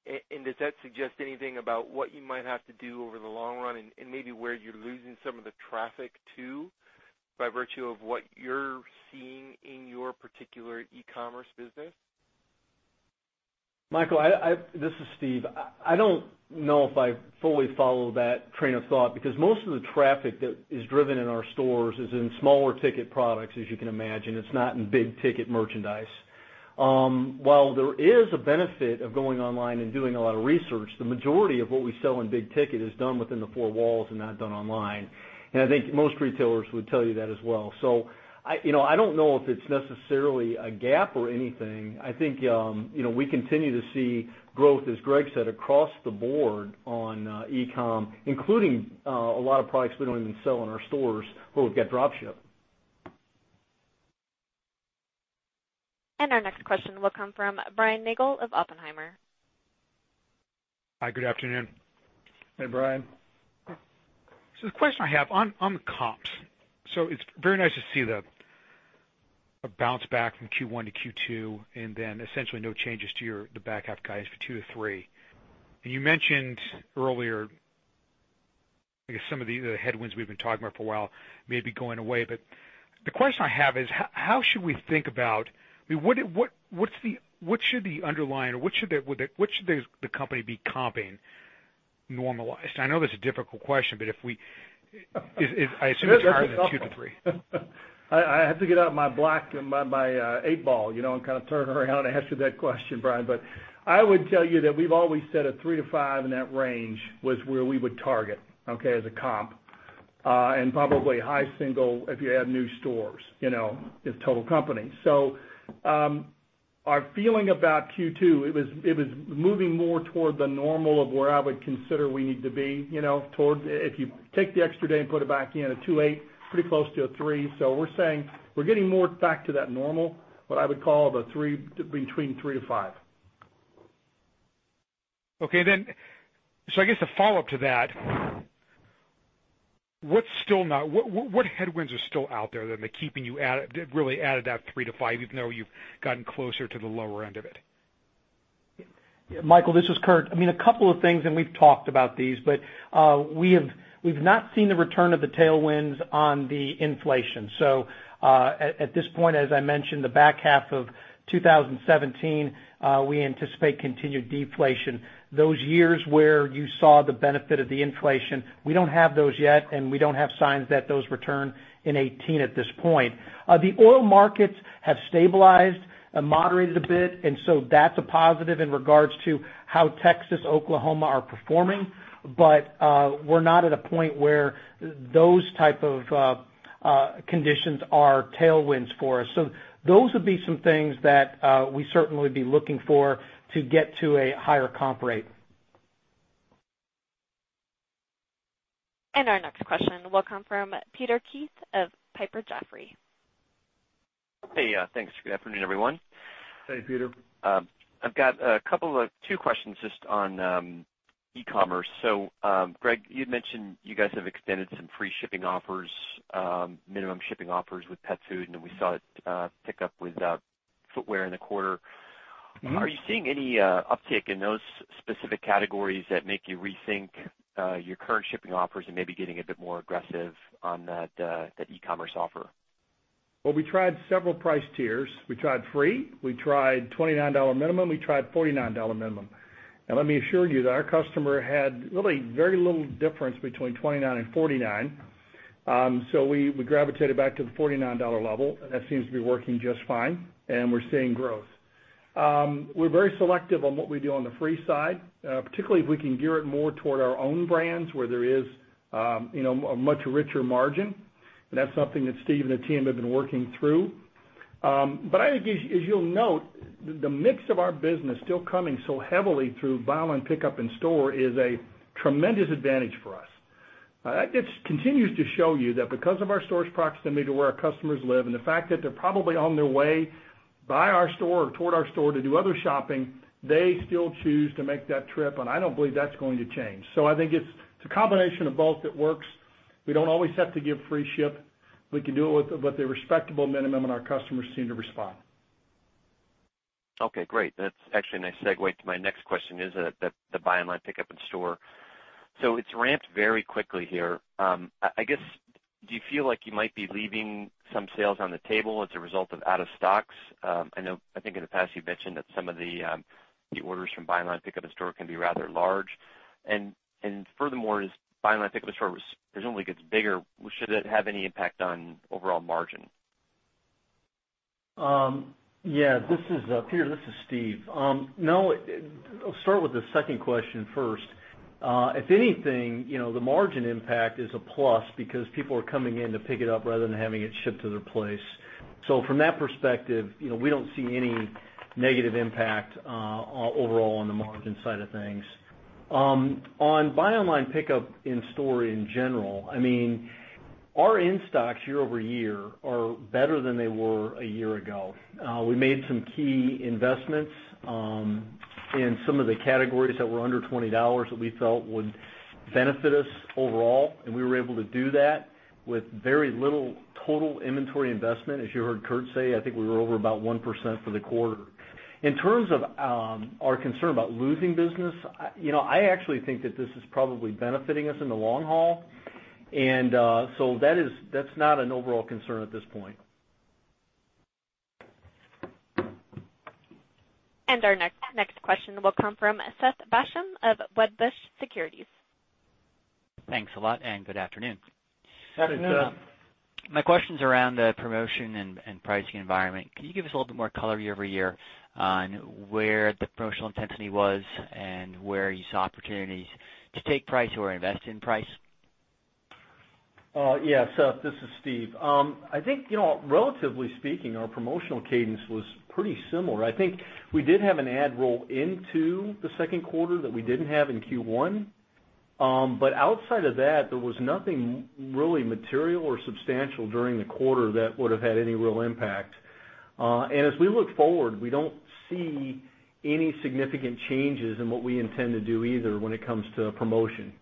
Does that suggest anything about what you might have to do over the long run and maybe where you're losing some of the traffic too, by virtue of what you're seeing in your particular e-commerce business? Michael, this is Steve. I don't know if I fully follow that train of thought because most of the traffic that is driven in our stores is in smaller ticket products, as you can imagine. It's not in big ticket merchandise. While there is a benefit of going online and doing a lot of research, the majority of what we sell in big ticket is done within the four walls and not done online. I think most retailers would tell you that as well. I don't know if it's necessarily a gap or anything. I think we continue to see growth, as Greg said, across the board on e-com, including a lot of products we don't even sell in our stores where we've got drop ship. Our next question will come from Brian Nagel of Oppenheimer. Hi, good afternoon. Hey, Brian. The question I have on the comps. It's very nice to see the bounce back from Q1 to Q2 and then essentially no changes to the back half guidance for 2%-3%. You mentioned earlier, I guess some of the other headwinds we've been talking about for a while may be going away. The question I have is, how should we think about what should the underlying or what should the company be comping normalized? I know that's a difficult question, but I assume it's higher than 2%-3%. I have to get out my black and my eight ball, and turn around and answer that question, Brian. I would tell you that we've always said a 3% to 5% in that range was where we would target, okay, as a comp. Probably high single if you add new stores, is total company. Our feeling about Q2, it was moving more toward the normal of where I would consider we need to be, if you take the extra day and put it back in at 2.8%, pretty close to a 3%. We're saying we're getting more back to that normal, what I would call between 3% to 5%. Okay. I guess a follow-up to that, what headwinds are still out there that are keeping you out, really out of that 3% to 5%, even though you've gotten closer to the lower end of it? Michael, this is Kurt. A couple of things, we've talked about these, we've not seen the return of the tailwinds on the inflation. At this point, as I mentioned, the back half of 2017, we anticipate continued deflation. Those years where you saw the benefit of the inflation, we don't have those yet, and we don't have signs that those return in 2018 at this point. The oil markets have stabilized, moderated a bit, that's a positive in regards to how Texas, Oklahoma are performing. We're not at a point where those type of conditions are tailwinds for us. Those would be some things that we'd certainly be looking for to get to a higher comp rate. Our next question will come from Peter Keith of Piper Jaffray. Hey, thanks. Good afternoon, everyone. Hey, Peter. I've got two questions just on e-commerce. Greg, you'd mentioned you guys have extended some free shipping offers, minimum shipping offers with pet food, and then we saw it pick up with footwear in the quarter. Are you seeing any uptick in those specific categories that make you rethink your current shipping offers and maybe getting a bit more aggressive on that e-commerce offer? Well, we tried several price tiers. We tried free, we tried $29 minimum, we tried $49 minimum. Let me assure you that our customer had really very little difference between $29 and $49. We gravitated back to the $49 level. That seems to be working just fine, and we're seeing growth. We're very selective on what we do on the free side, particularly if we can gear it more toward our own brands where there is a much richer margin. That's something that Steve and the team have been working through. I think as you'll note, the mix of our business still coming so heavily through Buy Online, Pickup In Store is a tremendous advantage for us. That just continues to show you that because of our stores' proximity to where our customers live, and the fact that they're probably on their way by our store or toward our store to do other shopping, they still choose to make that trip, and I don't believe that's going to change. I think it's a combination of both that works. We don't always have to give free ship. We can do it with a respectable minimum, and our customers seem to respond. Okay, great. That's actually a nice segue to my next question, is the Buy Online, Pickup In Store. It's ramped very quickly here. I guess, do you feel like you might be leaving some sales on the table as a result of out of stocks? I think in the past you've mentioned that some of the orders from Buy Online, Pickup In Store can be rather large. Furthermore, as Buy Online, Pickup In Store presumably gets bigger, should it have any impact on overall margin? Yeah. Peter, this is Steve. No. I'll start with the second question first. If anything, the margin impact is a plus because people are coming in to pick it up rather than having it shipped to their place. From that perspective, we don't see any negative impact overall on the margin side of things. On Buy Online, Pickup In Store in general, our in-stocks year-over-year are better than they were a year ago. We made some key investments in some of the categories that were under $20 that we felt would benefit us overall, and we were able to do that with very little total inventory investment. As you heard Kurt say, I think we were over about 1% for the quarter. In terms of our concern about losing business, I actually think that this is probably benefiting us in the long haul. That's not an overall concern at this point. Our next question will come from Seth Basham of Wedbush Securities. Thanks a lot, and good afternoon. Good afternoon. My question's around the promotion and pricing environment. Can you give us a little bit more color year-over-year on where the promotional intensity was and where you saw opportunities to take price or invest in price? Yeah, Seth. This is Steve. I think, relatively speaking, our promotional cadence was pretty similar. I think we did have an ad roll into the second quarter that we didn't have in Q1. Outside of that, there was nothing really material or substantial during the quarter that would've had any real impact. As we look forward, we don't see any significant changes in what we intend to do either when it comes to promotion.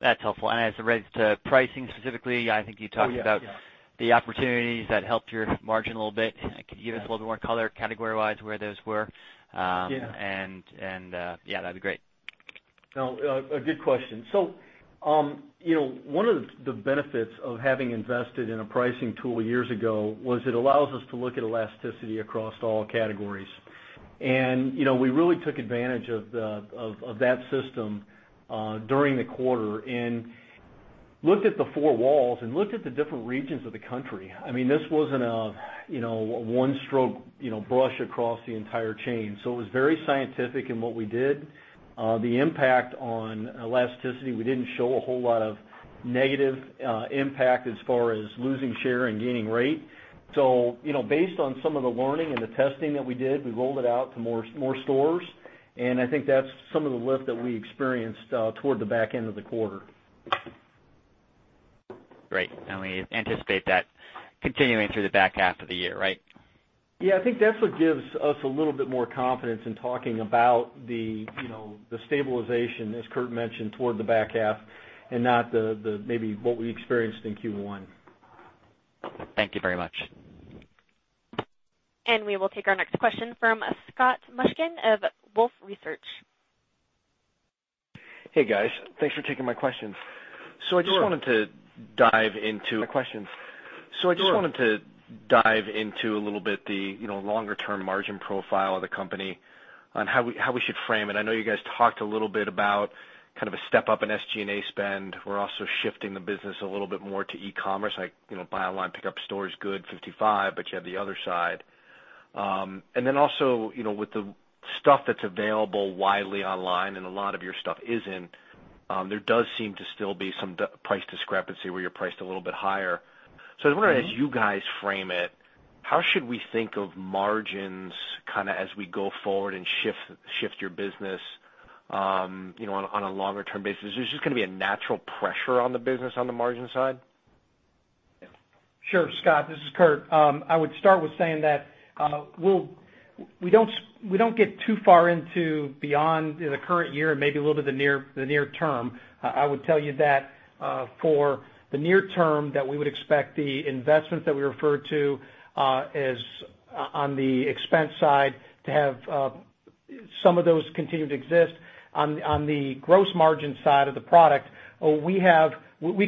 That's helpful. As it relates to pricing specifically, I think you talked about. Oh, yeah. the opportunities that helped your margin a little bit. Can you give us a little bit more color category-wise where those were? Yeah. Yeah, that'd be great. No, a good question. One of the benefits of having invested in a pricing tool years ago was it allows us to look at elasticity across all categories. We really took advantage of that system during the quarter and looked at the four walls and looked at the different regions of the country. This wasn't a one-stroke brush across the entire chain. It was very scientific in what we did. The impact on elasticity, we didn't show a whole lot of negative impact as far as losing share and gaining rate. Based on some of the learning and the testing that we did, we rolled it out to more stores, and I think that's some of the lift that we experienced toward the back end of the quarter. Great. We anticipate that continuing through the back half of the year, right? Yeah. I think that's what gives us a little bit more confidence in talking about the stabilization, as Kurt mentioned, toward the back half, not maybe what we experienced in Q1. Thank you very much. We will take our next question from Scott Mushkin of Wolfe Research. Hey, guys. Thanks for taking my questions. Sure. I just wanted to dive into a little bit the longer-term margin profile of the company on how we should frame it. I know you guys talked a little bit about a step-up in SG&A spend. We're also shifting the business a little bit more to e-commerce, like Buy Online, Pickup In Store is good, 55%, but you have the other side. Also, with the stuff that's available widely online, and a lot of your stuff isn't, there does seem to still be some price discrepancy where you're priced a little bit higher. I was wondering, as you guys frame it, how should we think of margins as we go forward and shift your business on a longer-term basis, is this just going to be a natural pressure on the business on the margin side? Sure, Scot, this is Kurt. I would start with saying that we don't get too far into beyond the current year and maybe a little bit the near term. I would tell you that for the near term, that we would expect the investments that we referred to on the expense side to have some of those continue to exist. On the gross margin side of the product, we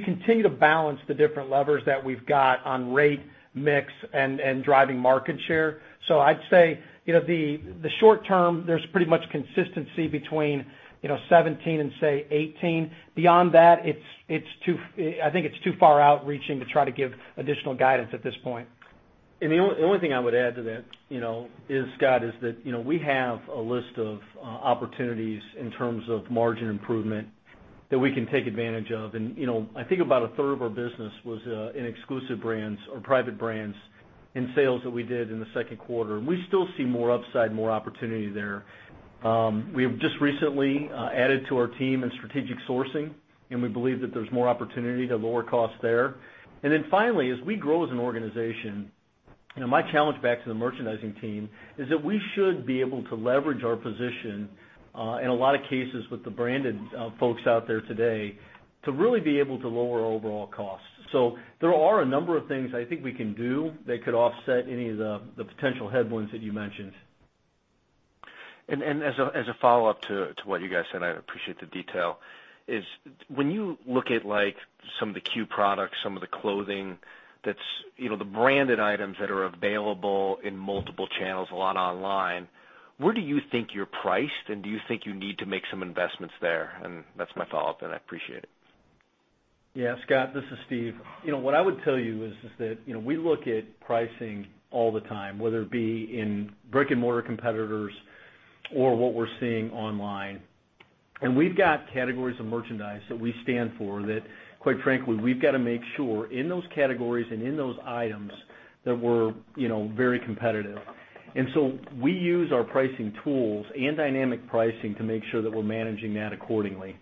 continue to balance the different levers that we've got on rate, mix, and driving market share. I'd say, the short term, there's pretty much consistency between 2017 and say 2018. Beyond that, I think it's too far out reaching to try to give additional guidance at this point. The only thing I would add to that, Scot, is that we have a list of opportunities in terms of margin improvement that we can take advantage of. I think about a third of our business was in exclusive brands or private brands in sales that we did in the second quarter. We still see more upside, more opportunity there. We have just recently added to our team in strategic sourcing, we believe that there's more opportunity to lower costs there. Finally, as we grow as an organization, my challenge back to the merchandising team is that we should be able to leverage our position, in a lot of cases with the branded folks out there today, to really be able to lower overall costs. There are a number of things I think we can do that could offset any of the potential headwinds that you mentioned. As a follow-up to what you guys said, I appreciate the detail, is when you look at some of the C.U.E. products, some of the clothing that's the branded items that are available in multiple channels, a lot online, where do you think you're priced, and do you think you need to make some investments there? That's my follow-up, and I appreciate it. Yeah, Scot, this is Steve. What I would tell you is that we look at pricing all the time, whether it be in brick-and-mortar competitors or what we're seeing online. We've got categories of merchandise that we stand for that, quite frankly, we've got to make sure in those categories and in those items that we're very competitive. We use our pricing tools and dynamic pricing to make sure that we're managing that accordingly.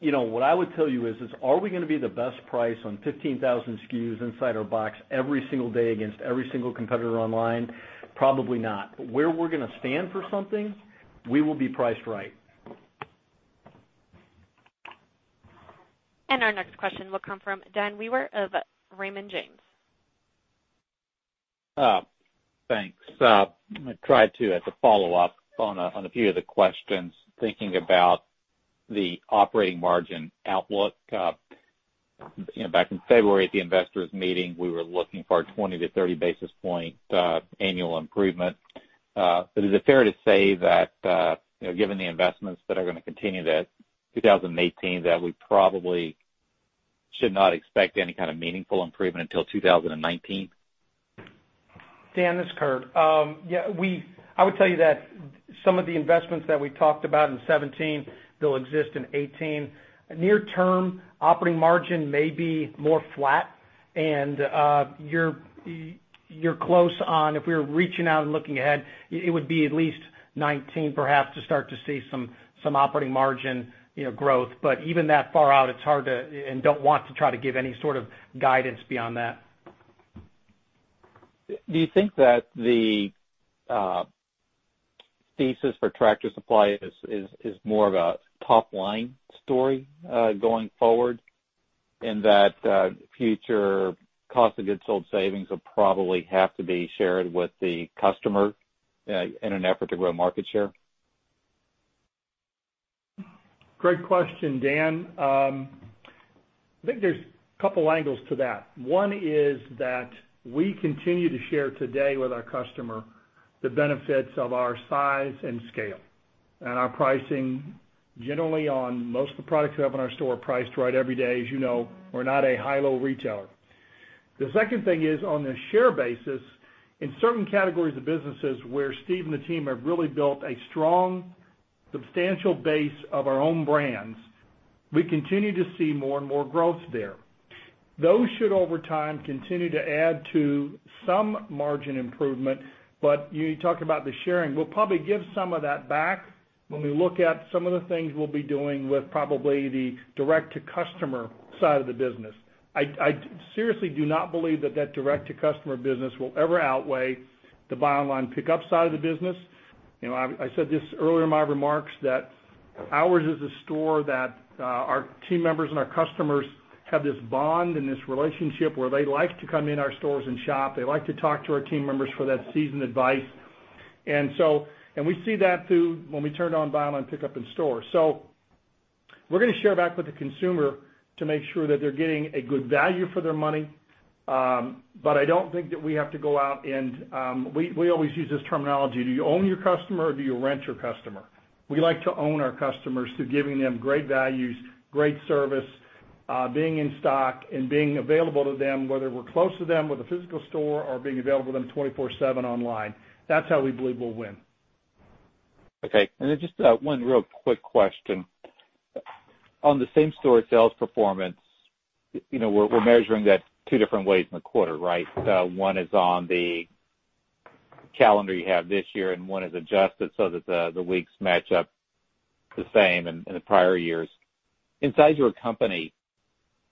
What I would tell you is, are we going to be the best price on 15,000 SKUs inside our box every single day against every single competitor online? Probably not. Where we're going to stand for something, we will be priced right. Our next question will come from Daniel Wewer of Raymond James. Thanks. As a follow-up on a few of the questions, thinking about the operating margin outlook. Back in February at the investors meeting, we were looking for a 20 to 30 basis point annual improvement. Is it fair to say that, given the investments that are going to continue that 2018, that we probably should not expect any kind of meaningful improvement until 2019? Dan, this is Kurt. I would tell you that some of the investments that we talked about in 2017, they'll exist in 2018. Near term, operating margin may be more flat, and you're close on if we were reaching out and looking ahead, it would be at least 2019 perhaps to start to see some operating margin growth. Even that far out, it's hard to, and don't want to try to give any sort of guidance beyond that. Do you think that the thesis for Tractor Supply is more of a top-line story going forward, in that future cost of goods sold savings will probably have to be shared with the customer in an effort to grow market share? Great question, Dan. I think there's a couple angles to that. One is that we continue to share today with our customer the benefits of our size and scale. Our pricing, generally on most of the products we have in our store, are priced right every day. As you know, we're not a high-low retailer. The second thing is, on the share basis, in certain categories of businesses where Steve and the team have really built a strong, substantial base of our own brands, we continue to see more and more growth there. Those should, over time, continue to add to some margin improvement. You talk about the sharing. We'll probably give some of that back when we look at some of the things we'll be doing with probably the direct-to-customer side of the business. I seriously do not believe that that direct-to-customer business will ever outweigh the Buy Online, Pick Up side of the business. I said this earlier in my remarks, that ours is a store that our team members and our customers have this bond and this relationship where they like to come in our stores and shop. They like to talk to our team members for that seasoned advice. We see that, too, when we turn on Buy Online, Pick Up In Store. We're going to share back with the consumer to make sure that they're getting a good value for their money. I don't think that we have to go out. We always use this terminology: Do you own your customer or do you rent your customer? We like to own our customers through giving them great values, great service, being in stock, and being available to them, whether we're close to them with a physical store or being available to them 24/7 online. That's how we believe we'll win. Okay. Just one real quick question. On the same-store sales performance, we're measuring that two different ways in the quarter, right? One is on the Calendar you have this year and one is adjusted so that the weeks match up the same in the prior years. Inside your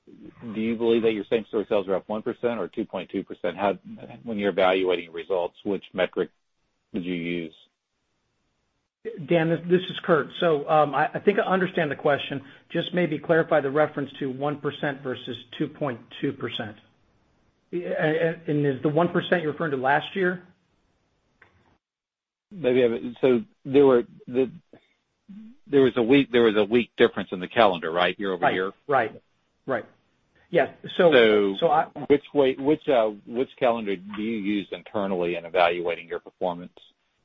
company, do you believe that your same-store sales are up 1% or 2.2%? When you're evaluating results, which metric would you use? Dan, this is Kurt. I think I understand the question. Just maybe clarify the reference to 1% versus 2.2%. Is the 1% you're referring to last year? Maybe. There was a week difference in the calendar, right? Year-over-year. Right. Yes. Which calendar do you use internally in evaluating your performance?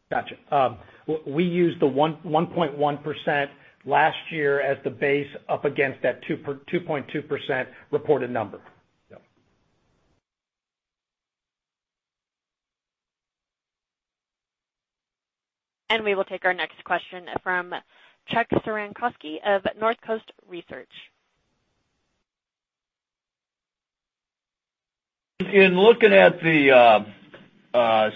Gotcha. We use the 1.1% last year as the base up against that 2.2% reported number. Yep. We will take our next question from Chuck Cerankosky of Northcoast Research. In looking at the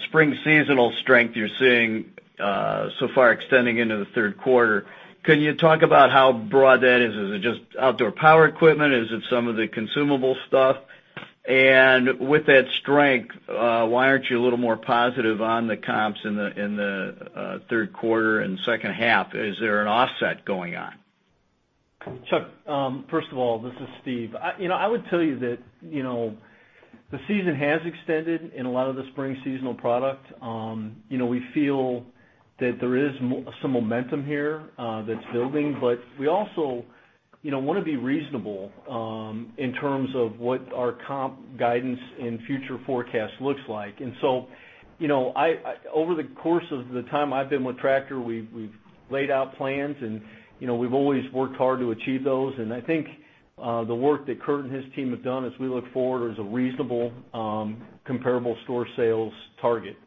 spring seasonal strength you're seeing so far extending into the third quarter, can you talk about how broad that is? Is it just outdoor power equipment? Is it some of the consumable stuff? With that strength, why aren't you a little more positive on the comps in the third quarter and second half? Is there an offset going on? Chuck, first of all, this is Steve. I would tell you that the season has extended in a lot of the spring seasonal product. We feel that there is some momentum here that's building, we also want to be reasonable in terms of what our comp guidance and future forecast looks like. Over the course of the time I've been with Tractor, we've laid out plans and we've always worked hard to achieve those. I think the work that Kurt and his team have done as we look forward is a reasonable comparable store sales target.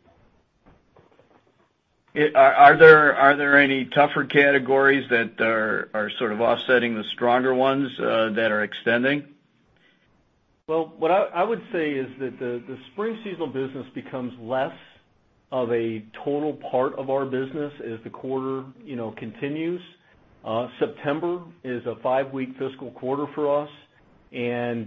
Are there any tougher categories that are sort of offsetting the stronger ones that are extending? Well, what I would say is that the spring seasonal business becomes less of a total part of our business as the quarter continues. September is a five-week fiscal quarter for us, and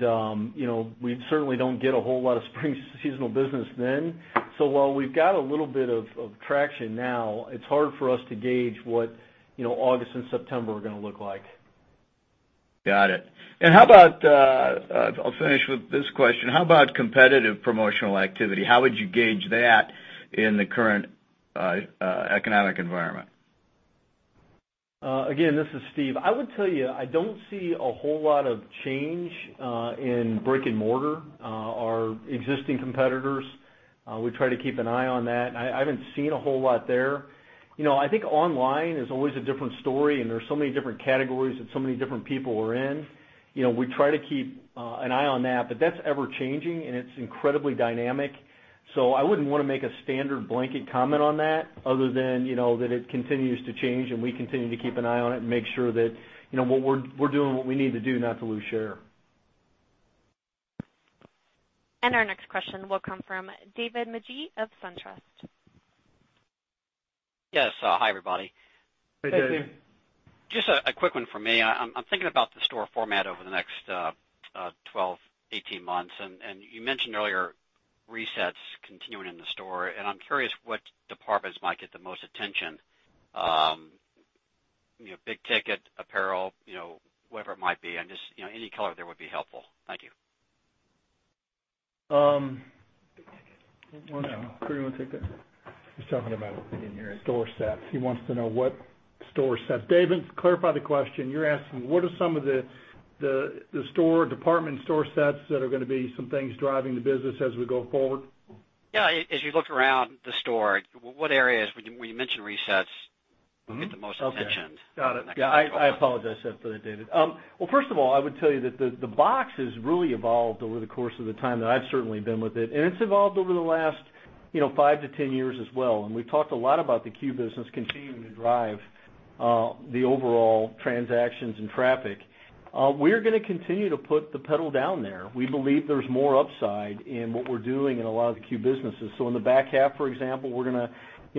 we certainly don't get a whole lot of spring seasonal business then. While we've got a little bit of traction now, it's hard for us to gauge what August and September are going to look like. Got it. I'll finish with this question. How about competitive promotional activity? How would you gauge that in the current economic environment? Again, this is Steve. I would tell you, I don't see a whole lot of change in brick and mortar. Our existing competitors, we try to keep an eye on that. I haven't seen a whole lot there. I think online is always a different story, and there's so many different categories that so many different people are in. We try to keep an eye on that, but that's ever-changing and it's incredibly dynamic. I wouldn't want to make a standard blanket comment on that other than that it continues to change and we continue to keep an eye on it and make sure that we're doing what we need to do not to lose share. Our next question will come from David Magee of SunTrust. Yes. Hi, everybody. Hey, David. Hey, David. Just a quick one from me. I'm thinking about the store format over the next 12, 18 months, and you mentioned earlier resets continuing in the store, and I'm curious what departments might get the most attention. Big ticket, apparel, whatever it might be. Any color there would be helpful. Thank you. Big ticket. No. Kurt, do you want to take that? He's talking about in your store sets. He wants to know what store sets. David, clarify the question. You're asking, what are some of the department store sets that are going to be some things driving the business as we go forward? Yeah. As you look around the store. would get the most attention? Okay. Got it. Yeah, I apologize for that, David. Well, first of all, I would tell you that the box has really evolved over the course of the time that I've certainly been with it, and it's evolved over the last 5 to 10 years as well. We've talked a lot about the Q business continuing to drive the overall transactions and traffic. We're going to continue to put the pedal down there. We believe there's more upside in what we're doing in a lot of the Q businesses. In the back half, for example, we're going to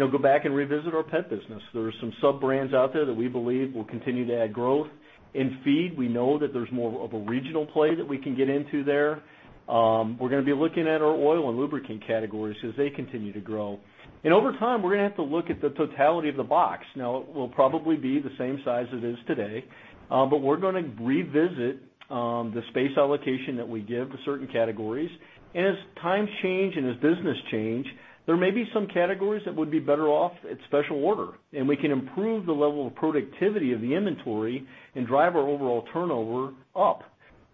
go back and revisit our pet business. There are some sub-brands out there that we believe will continue to add growth. In feed, we know that there's more of a regional play that we can get into there. We're going to be looking at our oil and lubricant categories as they continue to grow. Over time, we're going to have to look at the totality of the box. Now, it will probably be the same size it is today, but we're going to revisit the space allocation that we give to certain categories. As times change and as business change, there may be some categories that would be better off at special order, and we can improve the level of productivity of the inventory and drive our overall turnover up.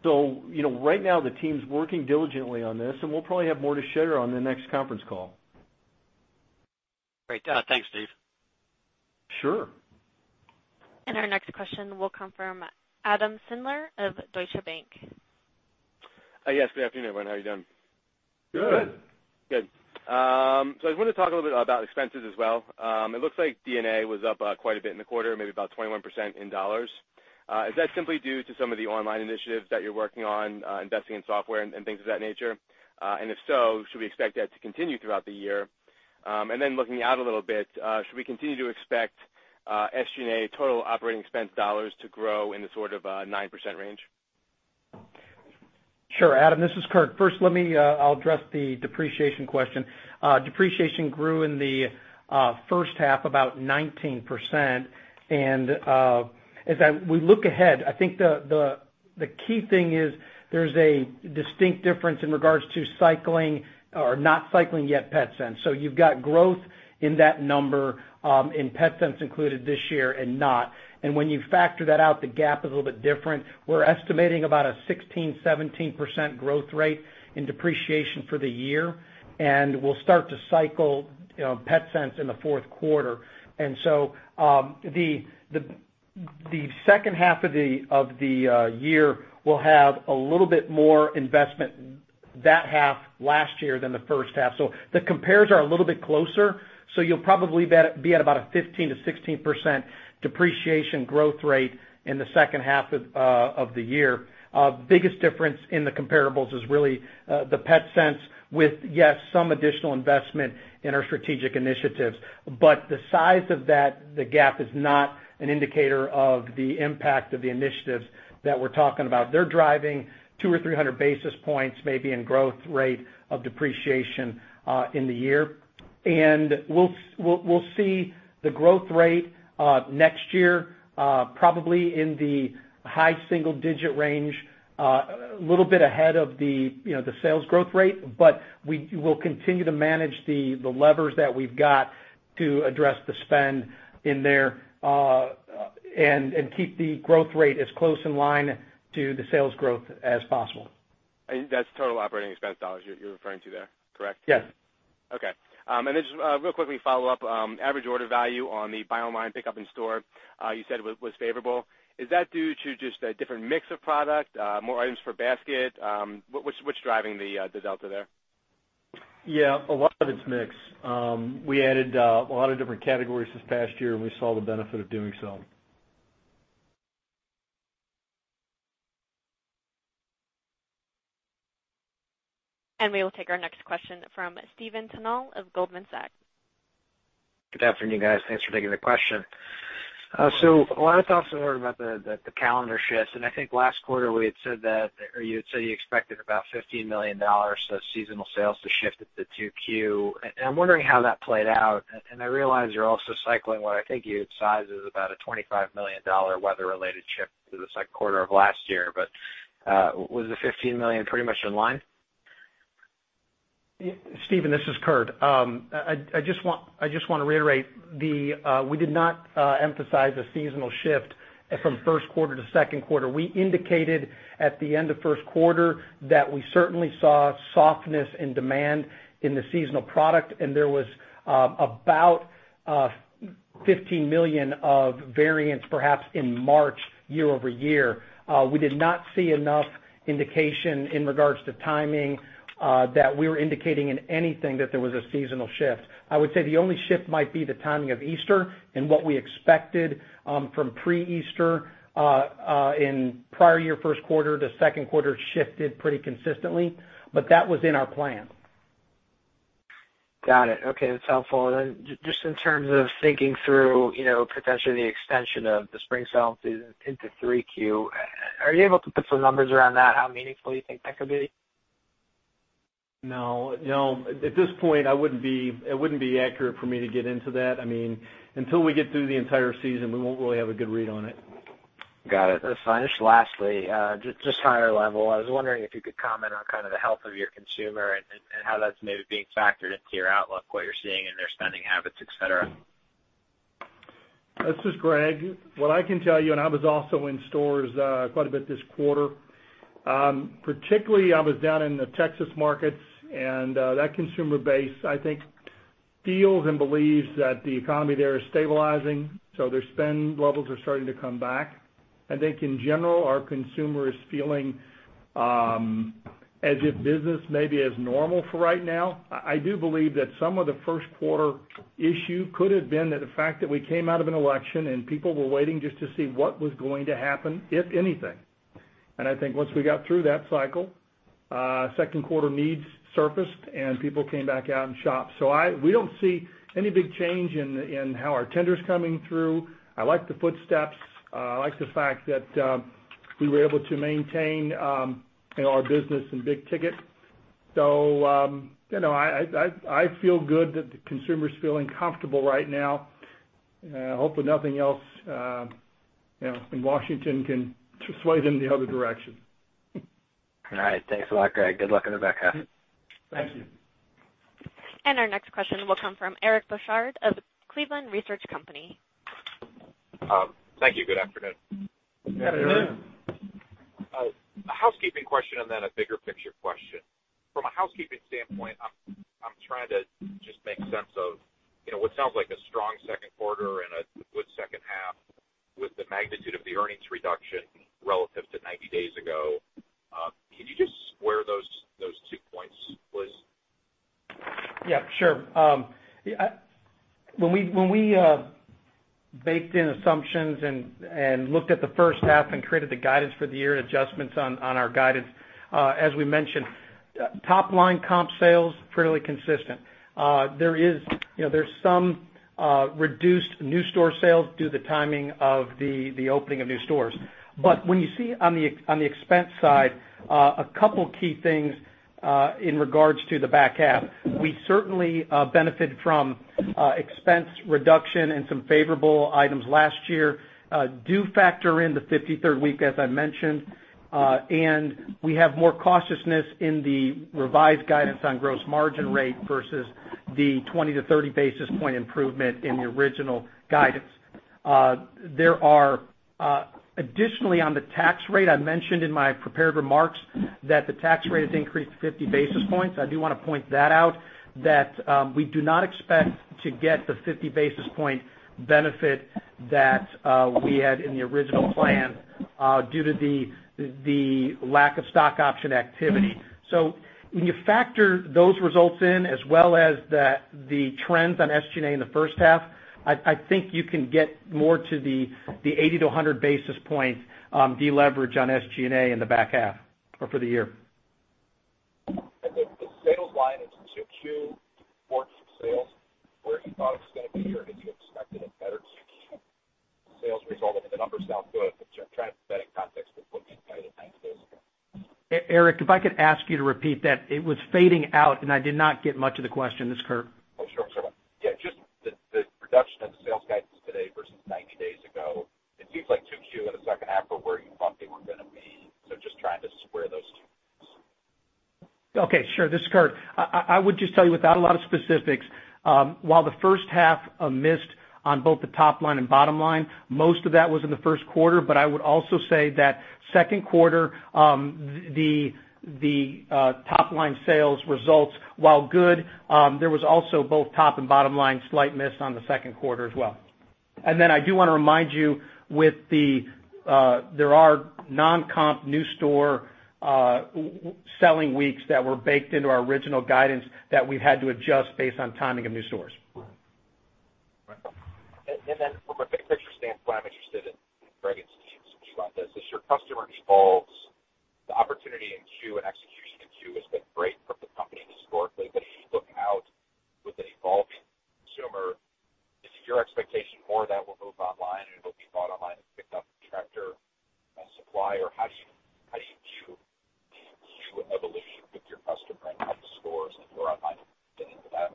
Right now, the team's working diligently on this, and we'll probably have more to share on the next conference call. Great. Thanks, Steve. Sure. Our next question will come from Adam Sindler of Deutsche Bank. Yes, good afternoon, everyone. How are you doing? Good. Good. Good. I wanted to talk a little bit about expenses as well. It looks like DNA was up quite a bit in the quarter, maybe about 21% in dollars. Is that simply due to some of the online initiatives that you're working on, investing in software and things of that nature? If so, should we expect that to continue throughout the year? Then looking out a little bit, should we continue to expect SG&A total operating expense dollars to grow in the 9% range? Sure, Adam. This is Kurt. First, I'll address the depreciation question. Depreciation grew in the first half about 19%. As we look ahead, I think the key thing is there's a distinct difference in regards to cycling or not cycling yet Petsense. You've got growth in that number in Petsense included this year and not. When you factor that out, the gap is a little bit different. We're estimating about a 16%-17% growth rate in depreciation for the year, and we'll start to cycle Petsense in the fourth quarter. The second half of the year will have a little bit more investment that half last year than the first half. The compares are a little bit closer, so you'll probably be at about a 15%-16% depreciation growth rate in the second half of the year. Biggest difference in the comparables is really the Petsense with, yes, some additional investment in our strategic initiatives. The size of the gap is not an indicator of the impact of the initiatives that we're talking about. They're driving 200 or 300 basis points maybe in growth rate of depreciation in the year. We'll see the growth rate next year probably in the high single-digit range, a little bit ahead of the sales growth rate. We will continue to manage the levers that we've got to address the spend in there and keep the growth rate as close in line to the sales growth as possible. That's total operating expense dollars you're referring to there, correct? Yes. Okay. Just real quickly follow up. Average order value on the Buy Online, Pickup In Store you said was favorable. Is that due to just a different mix of product, more items for basket? What's driving the delta there? Yeah, a lot of it's mix. We added a lot of different categories this past year, and we saw the benefit of doing so. We will take our next question from Steven Simon of Goldman Sachs. Good afternoon, guys. Thanks for taking the question. I want to talk some more about the calendar shifts, and I think last quarter you had said you expected about $15 million of seasonal sales to shift into 2Q. I'm wondering how that played out. I realize you're also cycling what I think you had sized as about a $25 million weather-related shift to the second quarter of last year. Was the $15 million pretty much in line? Steven, this is Kurt. I just want to reiterate, we did not emphasize a seasonal shift from first quarter to second quarter. We indicated at the end of first quarter that we certainly saw softness in demand in the seasonal product, and there was about $15 million of variance perhaps in March year-over-year. We did not see enough indication in regards to timing that we were indicating in anything that there was a seasonal shift. I would say the only shift might be the timing of Easter and what we expected from pre-Easter in prior year first quarter to second quarter shifted pretty consistently. That was in our plan. Got it. Okay, that's helpful. Just in terms of thinking through potentially the extension of the spring selling season into 3Q, are you able to put some numbers around that? How meaningful you think that could be? No. At this point it wouldn't be accurate for me to get into that. Until we get through the entire season, we won't really have a good read on it. Got it. That's fine. Just lastly, just higher level, I was wondering if you could comment on the health of your consumer and how that's maybe being factored into your outlook, what you're seeing in their spending habits, et cetera. This is Greg. What I can tell you, I was also in stores quite a bit this quarter. Particularly I was down in the Texas markets and that consumer base, I think, feels and believes that the economy there is stabilizing, their spend levels are starting to come back. I think in general, our consumer is feeling as if business may be as normal for right now. I do believe that some of the first quarter issue could have been that the fact that we came out of an election and people were waiting just to see what was going to happen, if anything. I think once we got through that cycle, second quarter needs surfaced and people came back out and shopped. We don't see any big change in how our tender's coming through. I like the footsteps. I like the fact that we were able to maintain our business in big ticket. I feel good that the consumer's feeling comfortable right now. Hopefully nothing else in Washington can sway them in the other direction. All right. Thanks a lot, Greg. Good luck in. [inaudible] Thank you. Our next question will come from Eric Bosshard of Cleveland Research Company. Thank you. Good afternoon. Good afternoon. A housekeeping question and then a bigger picture question. From a housekeeping standpoint, I'm trying to just make sense of what sounds like a strong second quarter and a good second half with the magnitude of the earnings reduction relative to 90 days ago. Yeah, sure. When we baked in assumptions and looked at the first half and created the guidance for the year and adjustments on our guidance, as we mentioned, top-line comp sales, fairly consistent. There's some reduced new store sales due to the timing of the opening of new stores. When you see on the expense side, a couple key things in regards to the back half. We certainly benefited from expense reduction and some favorable items last year. Do factor in the 53rd week, as I mentioned, and we have more cautiousness in the revised guidance on gross margin rate versus the 20-30 basis point improvement in the original guidance. Additionally, on the tax rate, I mentioned in my prepared remarks that the tax rate has increased 50 basis points. I do want to point that out that we do not expect to get the 50 basis point benefit that we had in the original plan due to the lack of stock option activity. When you factor those results in, as well as the trends on SG&A in the first half, I think you can get more to the 80-100 basis points deleverage on SG&A in the back half or for the year. I think the sales line in 2Q, quarter two sales, where you thought it was going to be, or did you expect a better 2Q sales result than the numbers out there, but trying to set in context with what you guided 90 days ago? Eric, if I could ask you to repeat that. It was fading out, and I did not get much of the question. This is Kurt. Oh, sure. Yeah, just the reduction of the sales guidance today versus 90 days ago, it seems like 2Q and the second half are where you thought they were going to be. Just trying to square those two. Okay, sure. This is Kurt. I would just tell you without a lot of specifics, while the first half missed on both the top line and bottom line, most of that was in the first quarter. I would also say that second quarter, the top-line sales results, while good, there was also both top and bottom line slight miss on the second quarter as well. I do want to remind you, there are non-comp new store selling weeks that were baked into our original guidance that we've had to adjust based on timing of new stores. From a big picture standpoint, I'm interested, and Greg, it's to you to speak about this. As your customer evolves, the opportunity in Q and execution in Q has been great for the company historically. As you look out with an evolving consumer, is it your expectation more of that will move online and it'll be bought online and picked up at Tractor Supply? How should you evolution with your customer in and out the stores and more online fit into that?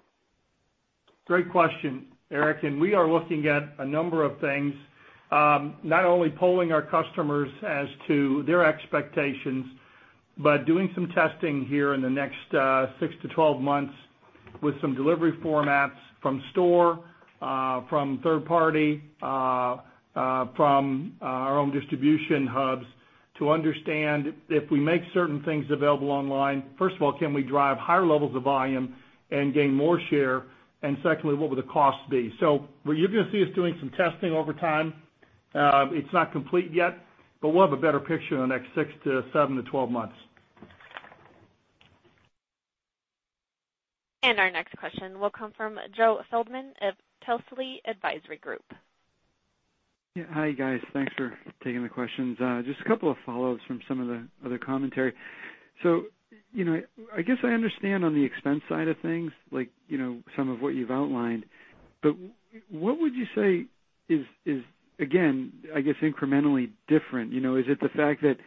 Great question, Eric, we are looking at a number of things. Not only polling our customers as to their expectations, but doing some testing here in the next 6 to 12 months with some delivery formats from store, from third party, from our own distribution hubs to understand if we make certain things available online, first of all, can we drive higher levels of volume and gain more share? Secondly, what would the cost be? You're going to see us doing some testing over time. It's not complete yet, we'll have a better picture in the next 6 to 7 to 12 months. Our next question will come from Joseph Feldman of Telsey Advisory Group. Hi, guys. Thanks for taking the questions. Just a couple of follows from some of the other commentary. I guess I understand on the expense side of things, like some of what you've outlined, what would you say is, again, incrementally different? Is it the fact that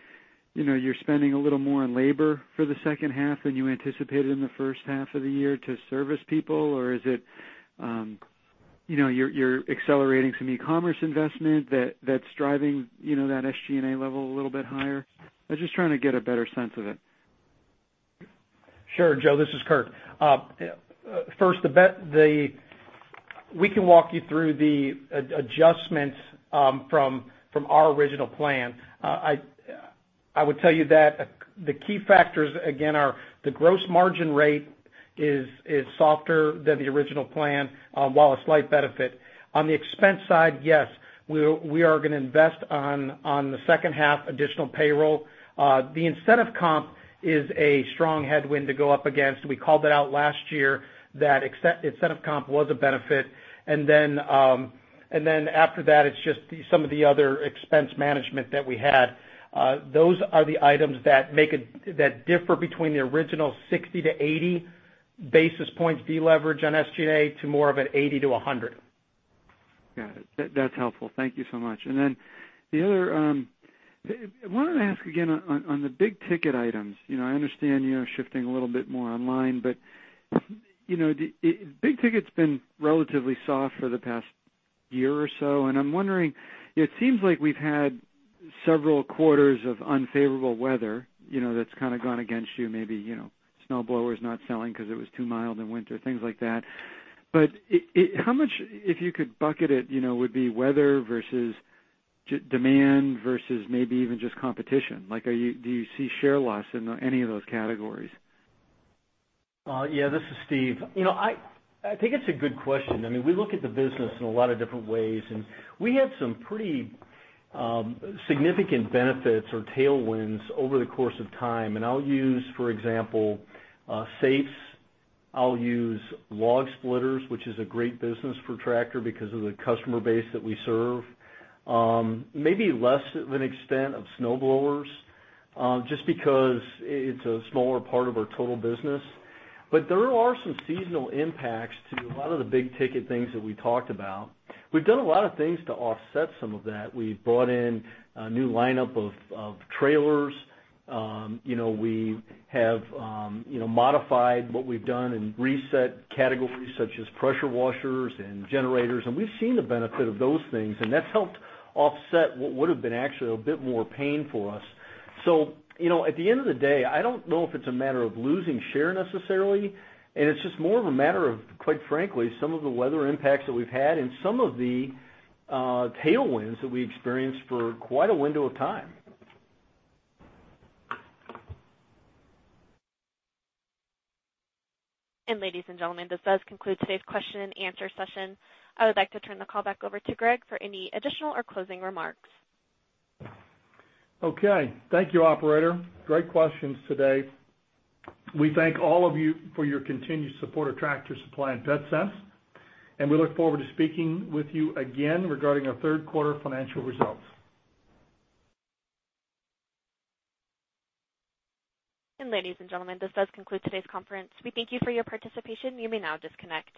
you're spending a little more on labor for the second half than you anticipated in the first half of the year to service people? Is it you're accelerating some e-commerce investment that's driving that SG&A level a little bit higher? I was just trying to get a better sense of it. Sure, Joe. This is Kurt. First, we can walk you through the adjustments from our original plan. I would tell you that the key factors, again, are the gross margin rate is softer than the original plan, while a slight benefit. On the expense side, yes, we are going to invest on the second half additional payroll. The incentive comp is a strong headwind to go up against. We called it out last year that incentive comp was a benefit. After that, it's just some of the other expense management that we had. Those are the items that differ between the original 60-80 basis points deleverage on SG&A to more of an 80-100. Got it. That's helpful. Thank you so much. The other, I wanted to ask again on the big-ticket items. I understand you're shifting a little bit more online, big ticket's been relatively soft for the past year or so, and I'm wondering, it seems like we've had several quarters of unfavorable weather that's kind of gone against you. Maybe snowblower's not selling because it was too mild in winter, things like that. How much, if you could bucket it, would be weather versus demand versus maybe even just competition? Do you see share loss in any of those categories? This is Steve. I think it's a good question. We look at the business in a lot of different ways, we had some pretty significant benefits or tailwinds over the course of time. I'll use, for example, safes. I'll use log splitters, which is a great business for Tractor because of the customer base that we serve. Maybe less of an extent of snowblowers, just because it's a smaller part of our total business. There are some seasonal impacts to a lot of the big-ticket things that we talked about. We've done a lot of things to offset some of that. We've brought in a new lineup of trailers. We have modified what we've done and reset categories such as pressure washers and generators, we've seen the benefit of those things, and that's helped offset what would've been actually a bit more pain for us. At the end of the day, I don't know if it's a matter of losing share necessarily, and it's just more of a matter of, quite frankly, some of the weather impacts that we've had and some of the tailwinds that we experienced for quite a window of time. Ladies and gentlemen, this does conclude today's question and answer session. I would like to turn the call back over to Greg for any additional or closing remarks. Okay. Thank you, operator. Great questions today. We thank all of you for your continued support of Tractor Supply and Petsense, and we look forward to speaking with you again regarding our third quarter financial results. Ladies and gentlemen, this does conclude today's conference. We thank you for your participation. You may now disconnect.